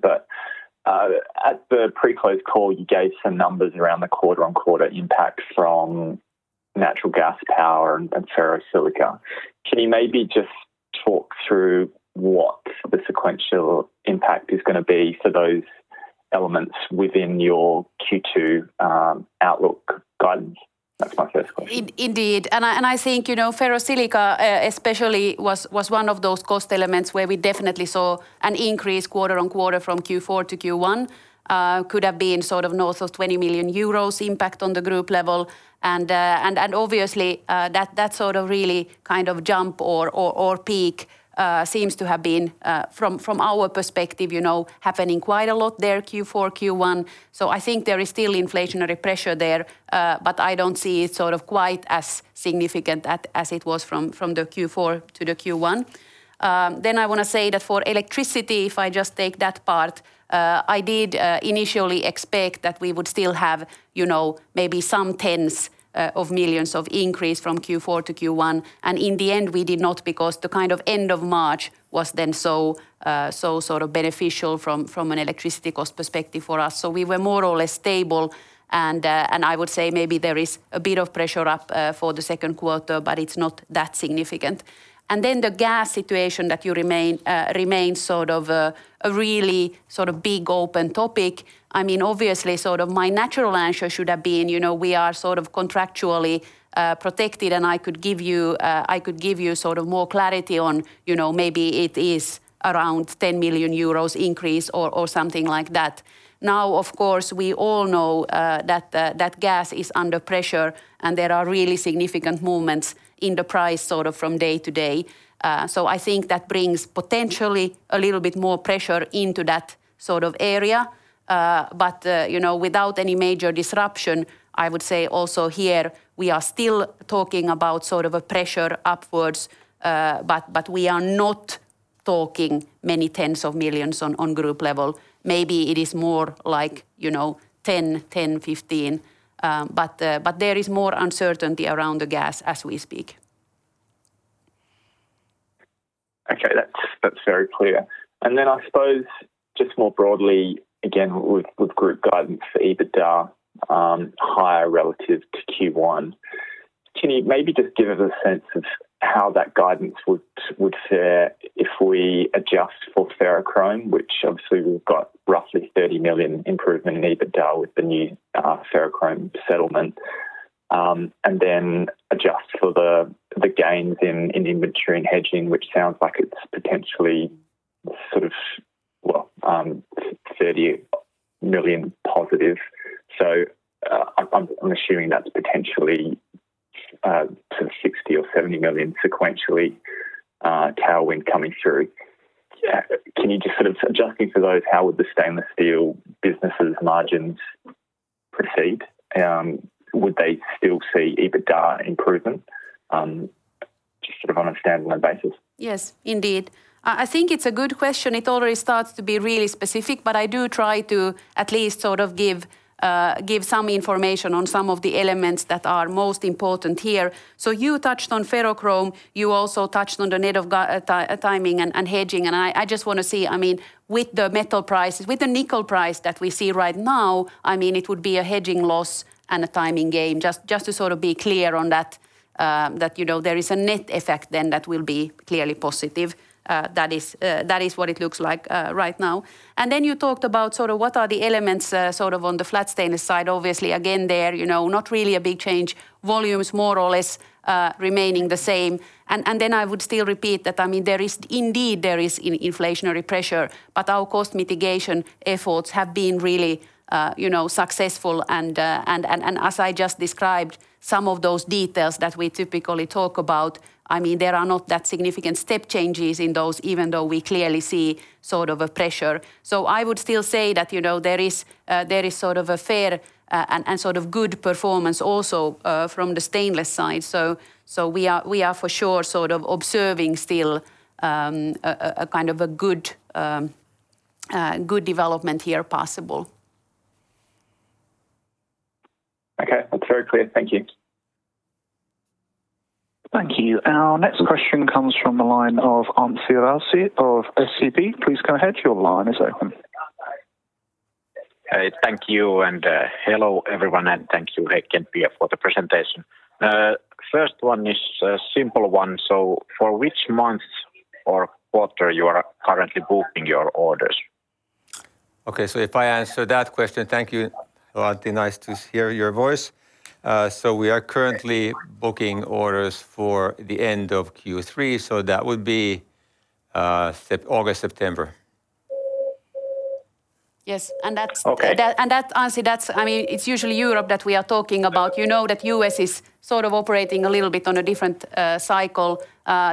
At the pre-close call, you gave some numbers around the quarter-on-quarter impact from natural gas power and ferrosilicon. Can you maybe just talk through what the sequential impact is gonna be for those elements within your Q2 outlook guidance. That's my first question. I think, you know, ferrosilicon especially was one of those cost elements where we definitely saw an increase quarter-over-quarter from Q4 to Q1. Could have been sort of north of 20 million euros impact on the group level. Obviously, that sort of really kind of jump or peak seems to have been from our perspective, you know, happening quite a lot there, Q4, Q1. I think there is still inflationary pressure there, but I don't see it sort of quite as significant as it was from the Q4 to the Q1. I wanna say that for electricity, if I just take that part, I did initially expect that we would still have, you know, maybe some tens of millions EUR increase from Q4 to Q1. In the end, we did not because the kind of end of March was then so sort of beneficial from an electricity cost perspective for us. We were more or less stable and I would say maybe there is a bit of pressure up for the second quarter, but it's not that significant. The gas situation remains sort of a really sort of big open topic. I mean, obviously, sort of my natural answer should have been, you know, we are sort of contractually protected, and I could give you sort of more clarity on, you know, maybe it is around 10 million euros increase or something like that. Now, of course, we all know that gas is under pressure, and there are really significant movements in the price sort of from day to day. So I think that brings potentially a little bit more pressure into that sort of area. But you know, without any major disruption, I would say also here we are still talking about sort of a pressure upwards, but we are not talking many tens of millions EUR on group level. Maybe it is more like, you know, 10, 15, but there is more uncertainty around the gas as we speak. Okay. That's very clear. I suppose just more broadly, again, with group guidance for EBITDA, higher relative to Q1. Can you maybe just give us a sense of how that guidance would fare if we adjust for Ferrochrome, which obviously we've got roughly 30 million improvement in EBITDA with the new Ferrochrome settlement, and then adjust for the gains in inventory and hedging, which sounds like it's potentially sort of 30 million positive. I'm assuming that's potentially sort of 60 or 70 million sequentially tailwind coming through. Adjusting for those, how would the stainless steel business's margins proceed? Would they still see EBITDA improvement, just sort of on a standalone basis? Yes, indeed. I think it's a good question. It already starts to be really specific, but I do try to at least sort of give some information on some of the elements that are most important here. So you touched on ferrochrome. You also touched on the net of guidance, timing and hedging. I just want to say, I mean, with the metal prices, with the nickel price that we see right now, I mean, it would be a hedging loss and a timing gain. Just to sort of be clear on that, you know, there is a net effect then that will be clearly positive. That is what it looks like right now. Then you talked about sort of what are the elements, sort of on the flat stainless side. Obviously, again, there you know not really a big change. Volumes more or less remaining the same. I would still repeat that, I mean, there is, indeed, inflationary pressure, but our cost mitigation efforts have been really, you know, successful, and as I just described some of those details that we typically talk about, I mean, there are not that significant step changes in those even though we clearly see sort of a pressure. I would still say that, you know, there is sort of a fair and sort of good performance also from the stainless side. We are for sure sort of observing still a kind of a good development here possible. Okay. That's very clear. Thank you. Thank you. Our next question comes from the line of Anssi Raussi of SEB. Please go ahead. Your line is open. Hey, thank you, and hello, everyone, and thank you, Heikki and Pia, for the presentation. First one is a simple one. For which month or quarter you are currently booking your orders? Okay. If I answer that question. Thank you, Anssi. Nice to hear your voice. We are currently booking orders for the end of Q3, so that would be, August, September. Yes. Okay. That's Anssi, that's—I mean, it's usually Europe that we are talking about. You know that U.S. is sort of operating a little bit on a different cycle.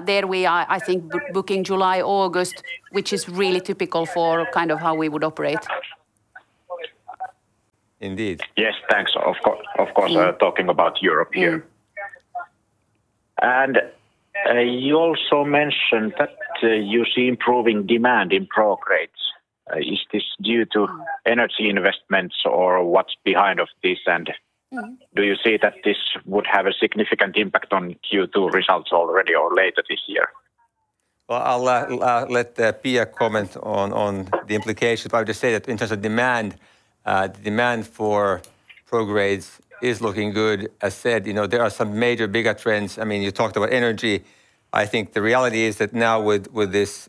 There we are, I think, booking July, August, which is really typical for kind of how we would operate. Indeed. Yes. Thanks. Of course. Mm. Of course, I'm talking about Europe here. Mm. You also mentioned that you see improving demand in Pro grades. Is this due to energy investments or what's behind this? Do you see that this would have a significant impact on Q2 results already or later this year? Well, I'll let Pia comment on the implications, but I would just say that in terms of demand for Pro grades is looking good. As said, you know, there are some major bigger trends. I mean, you talked about energy. I think the reality is that now with this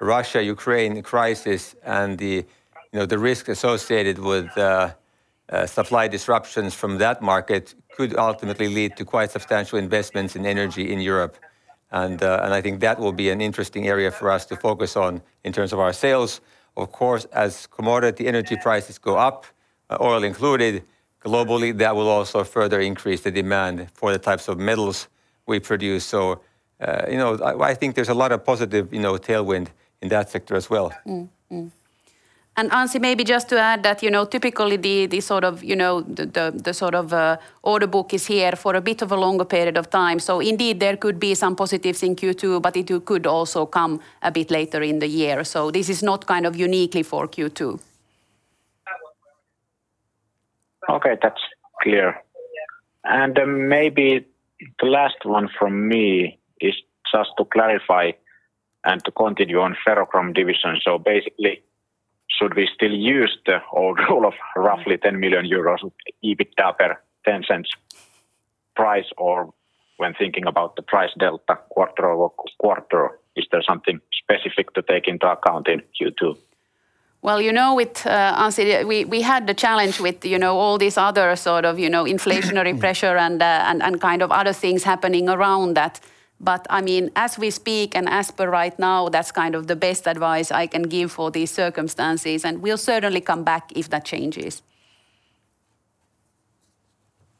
Russia-Ukraine crisis and the, you know, the risk associated with supply disruptions from that market could ultimately lead to quite substantial investments in energy in Europe. I think that will be an interesting area for us to focus on in terms of our sales. Of course, as commodity energy prices go up, oil included globally, that will also further increase the demand for the types of metals we produce. You know, I think there's a lot of positive, you know, tailwind in that sector as well. Anssi, maybe just to add that, you know, typically the sort of order book is here for a bit of a longer period of time. Indeed there could be some positives in Q2, but it could also come a bit later in the year. This is not kind of uniquely for Q2. Okay. That's clear. Maybe the last one from me is just to clarify and to continue on Ferrochrome division. Basically should we still use the old rule of roughly 10 million euros EBITDA per $0.10 Price? Or when thinking about the price delta quarter-over-quarter, is there something specific to take into account in Q2? Well, you know, with Anssi, we had the challenge with, you know, all these other sort of, you know, inflationary pressure and kind of other things happening around that. I mean, as we speak and as per right now, that's kind of the best advice I can give for these circumstances, and we'll certainly come back if that changes.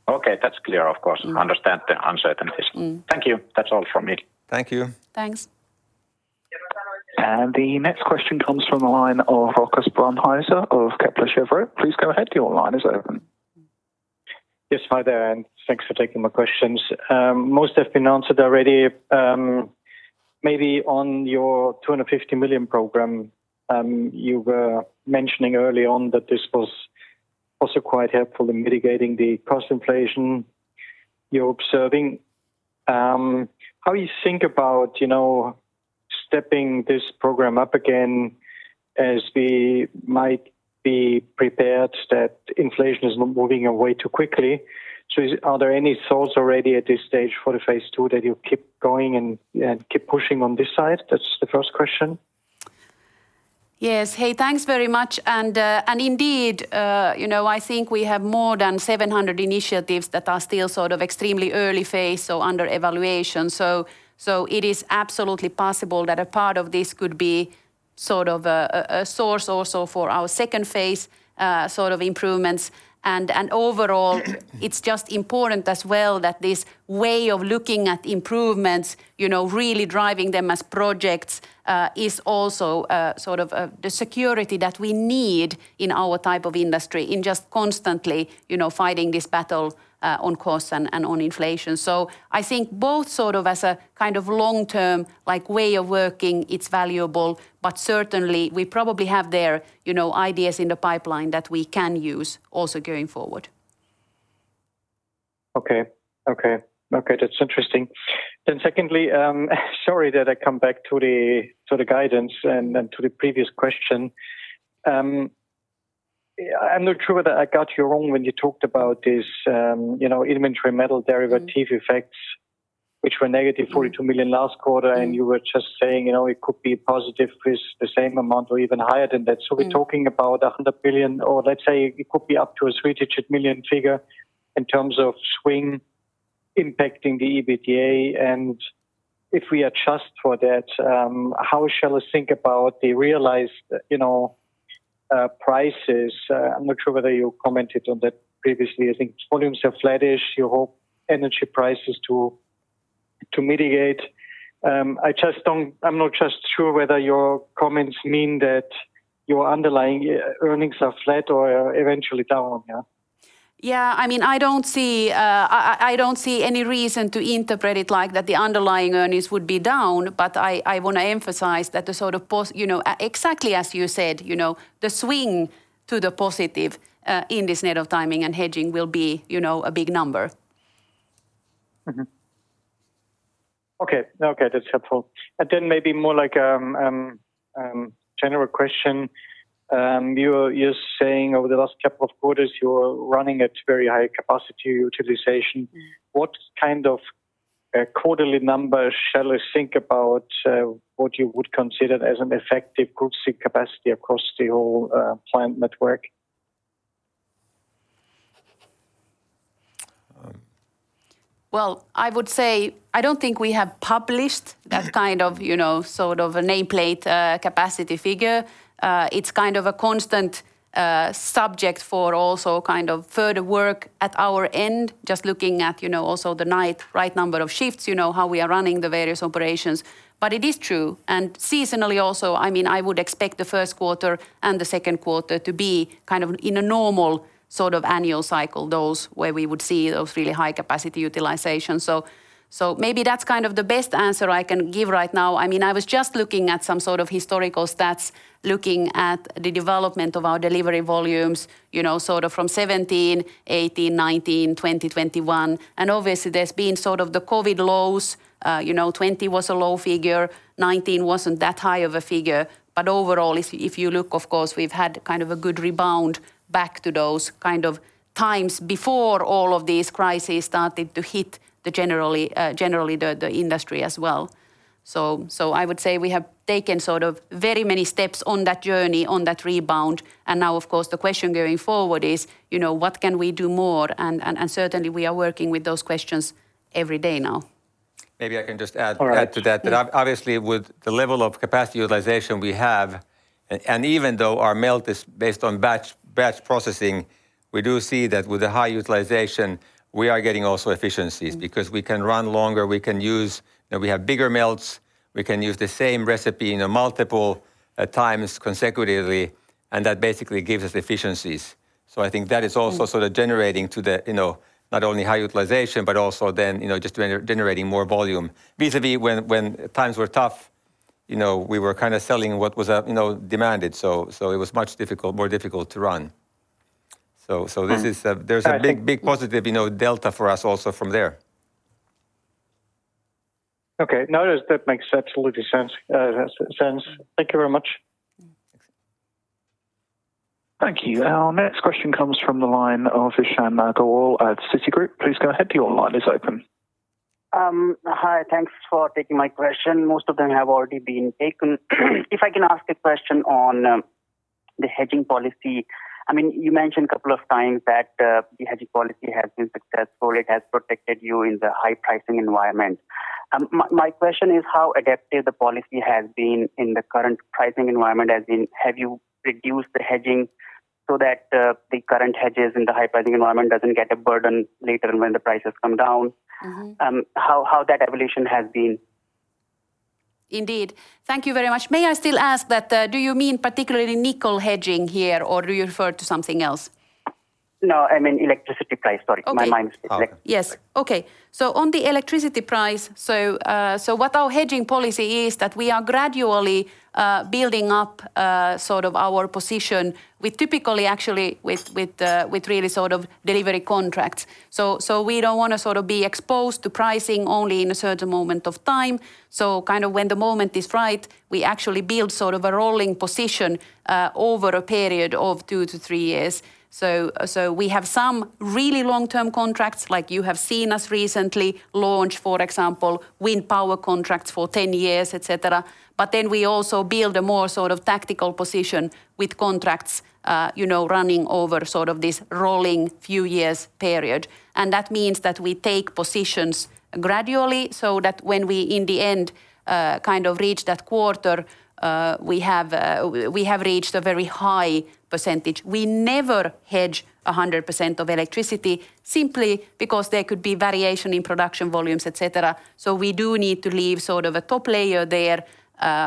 Okay. That's clear, of course. Mm. Understand the uncertainties. Mm. Thank you. That's all from me. Thank you. Thanks. The next question comes from the line of Rochus Brauneiser of Kepler Cheuvreux. Please go ahead, your line is open. Yes. Hi there, and thanks for taking my questions. Most have been answered already. Maybe on your 250 million program, you were mentioning early on that this was also quite helpful in mitigating the cost inflation you're observing. How you think about, you know, stepping this program up again as we might be prepared that inflation is not moving away too quickly. Are there any thoughts already at this stage for the phase II that you keep going and keep pushing on this side? That's the first question. Yes. Hey, thanks very much. Indeed, you know, I think we have more than 700 initiatives that are still sort of extremely early phase, so under evaluation. It is absolutely possible that a part of this could be sort of a source also for our phase II, sort of improvements. Overall, it's just important as well that this way of looking at improvements, you know, really driving them as projects, is also sort of the security that we need in our type of industry in just constantly, you know, fighting this battle, on cost and on inflation. I think both sort of as a kind of long-term like way of working, it's valuable, but certainly we probably have there, you know, ideas in the pipeline that we can use also going forward. Okay, that's interesting. Secondly, sorry that I come back to the guidance and to the previous question. I'm not sure whether I got you wrong when you talked about this, you know, elemental metal derivative effects, which were -42 million last quarter, and you were just saying, you know, it could be positive with the same amount or even higher than that. Mm. We're talking about 100 billion, or let's say it could be up to a three-digit million figure in terms of swing impacting the EBITDA. If we adjust for that, how shall I think about the realized, you know, prices? I'm not sure whether you commented on that previously. I think volumes are flattish. You hope energy prices to mitigate. I just don't. I'm not just sure whether your comments mean that your underlying earnings are flat or eventually down. Yeah. Yeah. I mean, I don't see any reason to interpret it like that, the underlying earnings would be down, but I wanna emphasize that the sort of, you know, exactly as you said, you know, the swing to the positive in this net of timing and hedging will be, you know, a big number. Mm-hmm. Okay. Okay, that's helpful. Then maybe more like, general question. You're saying over the last couple of quarters you were running at very high capacity utilization. Mm. What kind of quarterly numbers shall I think about, what you would consider as an effective good steel capacity across the whole plant network? Um- Well, I would say I don't think we have published that kind of, you know, sort of a nameplate capacity figure. It's kind of a constant subject for also kind of further work at our end, just looking at, you know, also in the right number of shifts, you know, how we are running the various operations. It is true. Seasonally also, I mean, I would expect the first quarter and the second quarter to be kind of in a normal sort of annual cycle, those where we would see those really high capacity utilization. So maybe that's kind of the best answer I can give right now. I mean, I was just looking at some sort of historical stats, looking at the development of our delivery volumes. You know, sort of from 2017, 2018, 2019, 2020, 2021. Obviously there's been sort of the COVID lows, you know, 2020 was a low figure, 2019 wasn't that high of a figure. Overall, if you look, of course, we've had kind of a good rebound back to those kind of times before all of these crises started to hit, generally, the industry as well. I would say we have taken sort of very many steps on that journey, on that rebound. Now of course, the question going forward is, you know, what can we do more? Certainly we are working with those questions every day now. Maybe I can just add. All right. To add to that. Obviously with the level of capacity utilization we have, and even though our melt is based on batch processing, we do see that with the high utilization, we are getting also efficiencies. Because we can run longer, we can use. You know, we have bigger melts, we can use the same recipe in a multiple times consecutively, and that basically gives us efficiencies. I think that is also sort of contributing to the, you know, not only high utilization, but also then, you know, just generating more volume. Vis-à-vis when times were tough, you know, we were kind of selling what was, you know, demanded. It was much more difficult to run. This is a Mm. All right. There's a big, big positive, you know, delta for us also from there. Okay. No, that makes absolutely sense. Thank you very much. Thank you. Our next question comes from the line of Krishan Agarwal at Citigroup. Please go ahead, your line is open. Hi, thanks for taking my question. Most of them have already been taken. If I can ask a question on the hedging policy. I mean, you mentioned couple of times that the hedging policy has been successful, it has protected you in the high pricing environment. My question is how adaptive the policy has been in the current pricing environment, as in have you reduced the hedging so that the current hedges in the high pricing environment doesn't get a burden later when the prices come down? Mm-hmm. How that evolution has been? Indeed. Thank you very much. May I still ask that, do you mean particularly nickel hedging here, or do you refer to something else? No, I mean electricity price. Sorry. Okay. My mind slipped. Yes. Okay. On the electricity price, what our hedging policy is that we are gradually building up sort of our position with typically actually with really sort of delivery contracts. We don't wanna sort of be exposed to pricing only in a certain moment of time. Kind of when the moment is right, we actually build sort of a rolling position over a period of two-three years. We have some really long-term contracts, like you have seen us recently launch, for example, wind power contracts for 10 years, et cetera. We also build a more sort of tactical position with contracts, you know, running over sort of this rolling few years period. That means that we take positions gradually so that when we in the end, kind of reach that quarter, we have reached a very high percentage. We never hedge 100% of electricity simply because there could be variation in production volumes, et cetera. We do need to leave sort of a top layer there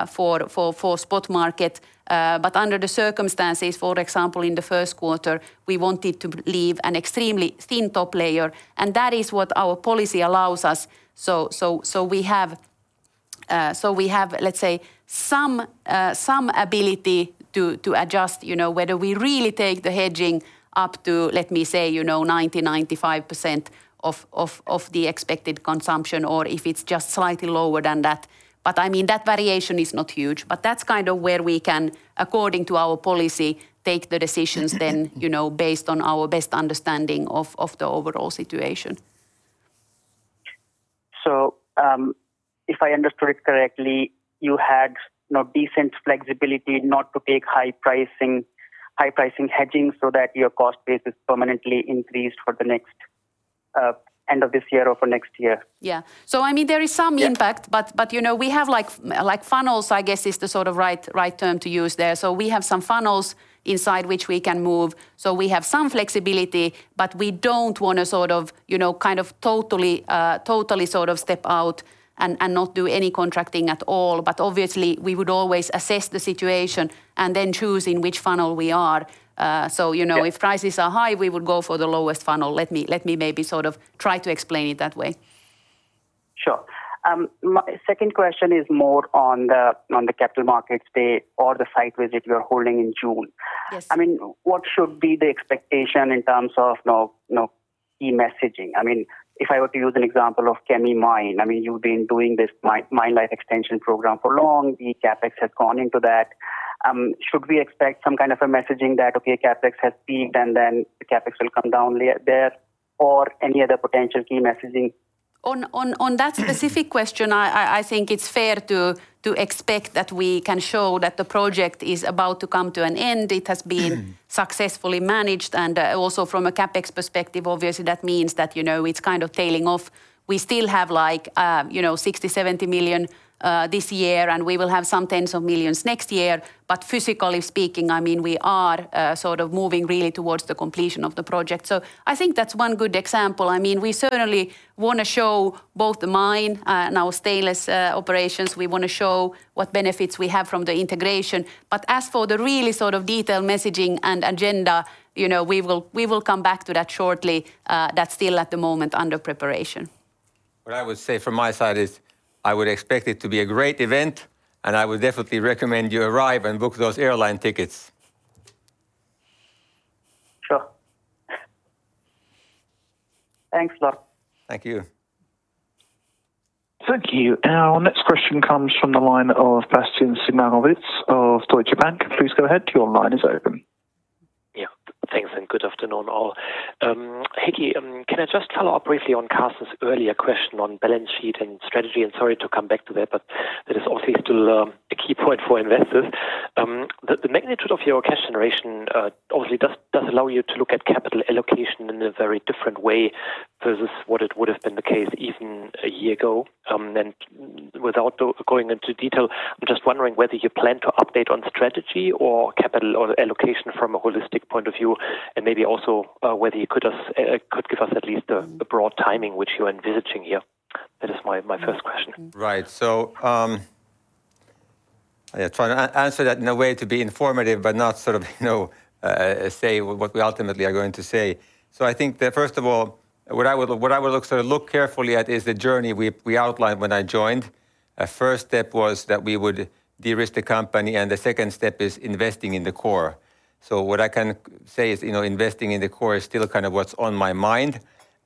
for spot market. But under the circumstances, for example, in the first quarter, we wanted to leave an extremely thin top layer, and that is what our policy allows us. We have, let's say some ability to adjust, you know, whether we really take the hedging up to, let me say, you know, 90%-95% of the expected consumption, or if it's just slightly lower than that. I mean that variation is not huge. That's kind of where we can, according to our policy, take the decisions then, you know, based on our best understanding of the overall situation. If I understood correctly, you had, you know, decent flexibility not to take high pricing hedging so that your cost base is permanently increased for the next end of this year or for next year. Yeah. I mean there is some impact. Yeah. You know, we have like funnels I guess is the sort of right term to use there. We have some funnels inside which we can move. We have some flexibility, but we don't wanna sort of, you know, kind of totally sort of step out and not do any contracting at all. We would always assess the situation and then choose in which funnel we are. You know. Yeah. If prices are high, we would go for the lowest funnel. Let me maybe sort of try to explain it that way. Sure. My second question is more on the capital markets day or the site visit you're holding in June. Yes. I mean, what should be the expectation in terms of key messaging? I mean, if I were to use an example of Kemi mine, I mean, you've been doing this mine life extension program for long. The CapEx has gone into that. Should we expect some kind of a messaging that, okay, CapEx has peaked, and then the CapEx will come down there? Or any other potential key messaging? On that specific question, I think it's fair to expect that we can show that the project is about to come to an end. It has been successfully managed and also from a CapEx perspective, obviously that means that, you know, it's kind of tailing off. We still have, you know, 60-70 million this year, and we will have some tens of millions EUR next year. But physically speaking, I mean, we are sort of moving really towards the completion of the project. I think that's one good example. I mean, we certainly wanna show both the mine and our stainless operations. We wanna show what benefits we have from the integration. As for the really sort of detailed messaging and agenda, you know, we will come back to that shortly. That's still at the moment under preparation. What I would say from my side is I would expect it to be a great event, and I would definitely recommend you arrive and book those airline tickets. Sure. Thanks a lot. Thank you. Thank you. Our next question comes from the line of Bastian Synagowitz of Deutsche Bank. Please go ahead, your line is open. Yeah. Thanks, and good afternoon all. Heikki, can I just follow up briefly on Cass's earlier question on balance sheet and strategy, and sorry to come back to that, but that is obviously still a key point for investors. The magnitude of your cash generation obviously does allow you to look at capital allocation in a very different way versus what it would've been the case even a year ago. Without going into detail, I'm just wondering whether you plan to update on strategy or capital or allocation from a holistic point of view, and maybe also whether you could give us at least a broad timing which you are envisaging here. That is my first question. Right. Yeah, try and answer that in a way to be informative but not sort of, you know, say what we ultimately are going to say. I think that first of all, what I would look carefully at is the journey we outlined when I joined. Our first step was that we would de-risk the company, and the second step is investing in the core. What I can say is, you know, investing in the core is still kind of what's on my mind,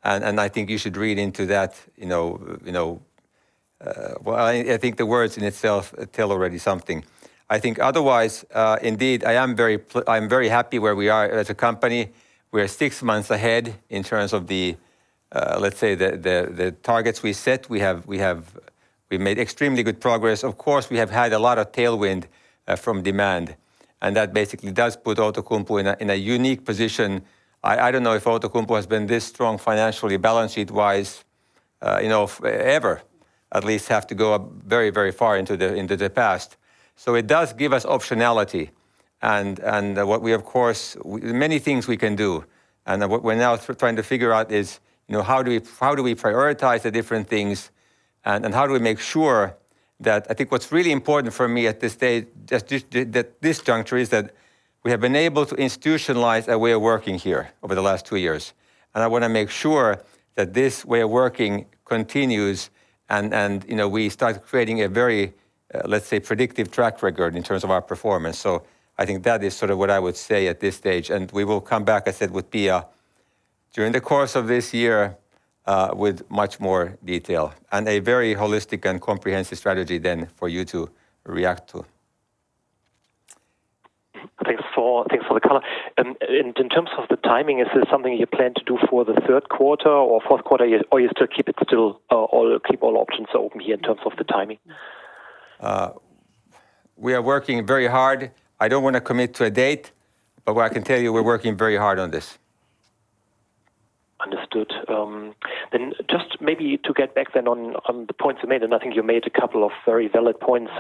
and I think you should read into that, you know. Well, I think the words in itself tell already something. I think otherwise, indeed, I am very happy where we are as a company. We are six months ahead in terms of the, let's say, the targets we set. We've made extremely good progress. Of course, we have had a lot of tailwind from demand, and that basically does put Outokumpu in a unique position. I don't know if Outokumpu has been this strong financially balance sheet-wise, you know, ever, at least have to go up very far into the past. It does give us optionality and what we of course many things we can do. What we're now trying to figure out is, you know, how do we prioritize the different things and how do we make sure that. I think what's really important for me at this stage, just at this juncture is that we have been able to institutionalize our way of working here over the last two years, and I wanna make sure that this way of working continues and you know, we start creating a very, let's say, predictive track record in terms of our performance. I think that is sort of what I would say at this stage, and we will come back, I said, with Pia during the course of this year, with much more detail and a very holistic and comprehensive strategy then for you to react to. Thanks for the color. In terms of the timing, is this something you plan to do for the third quarter or fourth quarter? Or you still keep all options open here in terms of the timing? We are working very hard. I don't wanna commit to a date, but what I can tell you, we're working very hard on this. Understood. Just maybe to get back on the points you made, and I think you made a couple of very valid points.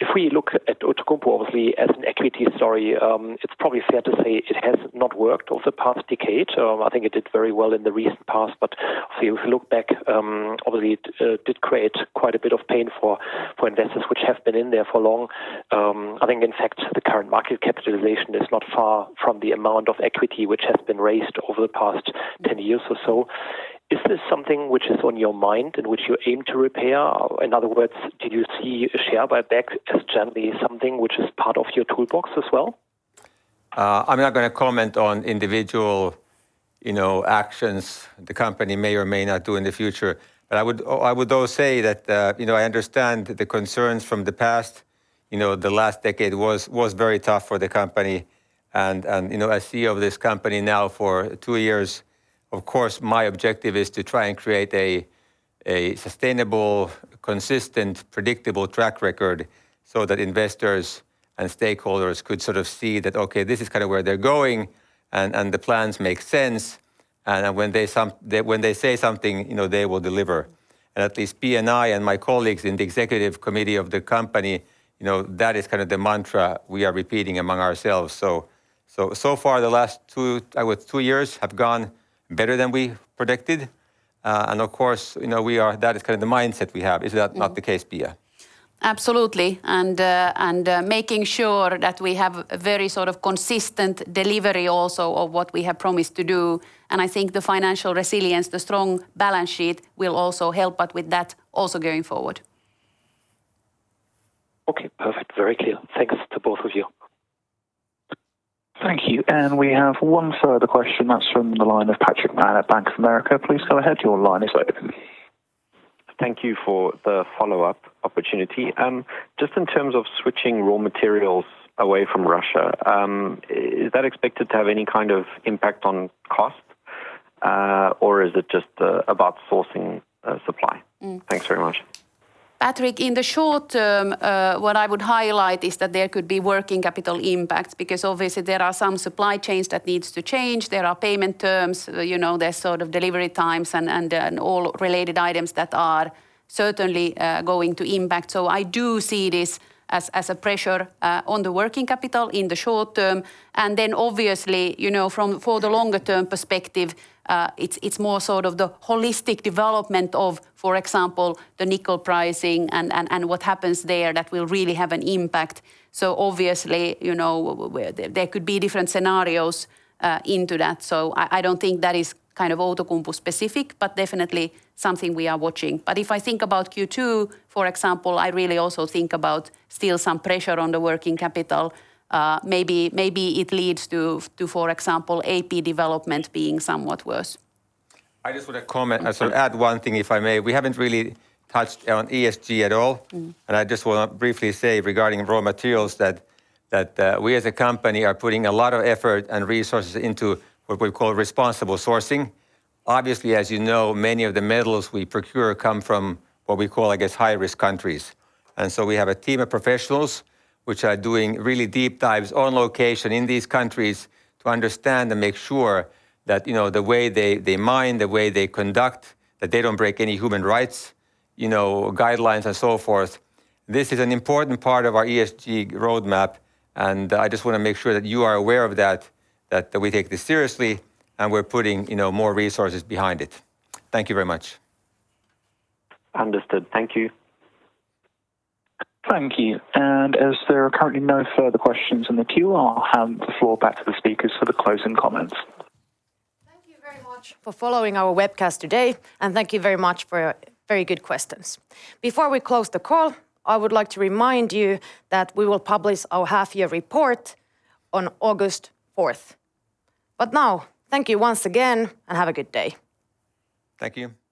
If we look at Outokumpu obviously as an equity story, it's probably fair to say it has not worked over the past decade. I think it did very well in the recent past, if you look back, obviously it did create quite a bit of pain for investors which have been in there for long. I think in fact the current market capitalization is not far from the amount of equity which has been raised over the past 10 years or so. Is this something which is on your mind and which you aim to repair? In other words, did you see a share buyback as generally something which is part of your toolbox as well? I'm not gonna comment on individual, you know, actions the company may or may not do in the future. I would though say that, you know, I understand the concerns from the past. You know, the last decade was very tough for the company and you know, as CEO of this company now for two years, of course my objective is to try and create a sustainable, consistent, predictable track record so that investors and stakeholders could sort of see that, okay, this is kind of where they're going and the plans make sense, and when they say something, you know, they will deliver. At least Pia and I and my colleagues in the executive committee of the company, you know, that is kind of the mantra we are repeating among ourselves. So far the last two years have gone better than we predicted. Of course, you know, that is kind of the mindset we have. Is that not the case, Pia? Absolutely. Making sure that we have a very sort of consistent delivery also of what we have promised to do. I think the financial resilience, the strong balance sheet will also help us with that also going forward. Okay. Perfect. Very clear. Thanks to both of you. Thank you. We have one further question that's from the line of Patrick Mann at Bank of America. Please go ahead, your line is open. Thank you for the follow-up opportunity. Just in terms of switching raw materials away from Russia, is that expected to have any kind of impact on cost, or is it just about sourcing, supply? Mm. Thanks very much. Patrick, in the short term, what I would highlight is that there could be working capital impact because obviously there are some supply chains that needs to change. There are payment terms, you know, there's sort of delivery times and all related items that are certainly going to impact. I do see this as a pressure on the working capital in the short term. Then obviously, you know, from, for the longer term perspective, it's more sort of the holistic development of, for example, the nickel pricing and what happens there that will really have an impact. Obviously, you know, well, there could be different scenarios into that. I don't think that is kind of Outokumpu specific, but definitely something we are watching. If I think about Q2, for example, I really also think about still some pressure on the working capital. Maybe it leads to, for example, AP development being somewhat worse. I just want to comment and sort of add one thing if I may. We haven't really touched on ESG at all. Mm. I just wanna briefly say regarding raw materials that we as a company are putting a lot of effort and resources into what we call responsible sourcing. Obviously, as you know, many of the metals we procure come from what we call, I guess, high-risk countries. So we have a team of professionals which are doing really deep dives on location in these countries to understand and make sure that, you know, the way they mine, the way they conduct, that they don't break any human rights, you know, guidelines and so forth. This is an important part of our ESG roadmap, and I just wanna make sure that you are aware of that we take this seriously and we're putting, you know, more resources behind it. Thank you very much. Understood. Thank you. Thank you. As there are currently no further questions in the queue, I'll hand the floor back to the speakers for the closing comments. Thank you very much for following our webcast today, and thank you very much for your very good questions. Before we close the call, I would like to remind you that we will publish our half-year report on August 4. Now thank you once again and have a good day. Thank you.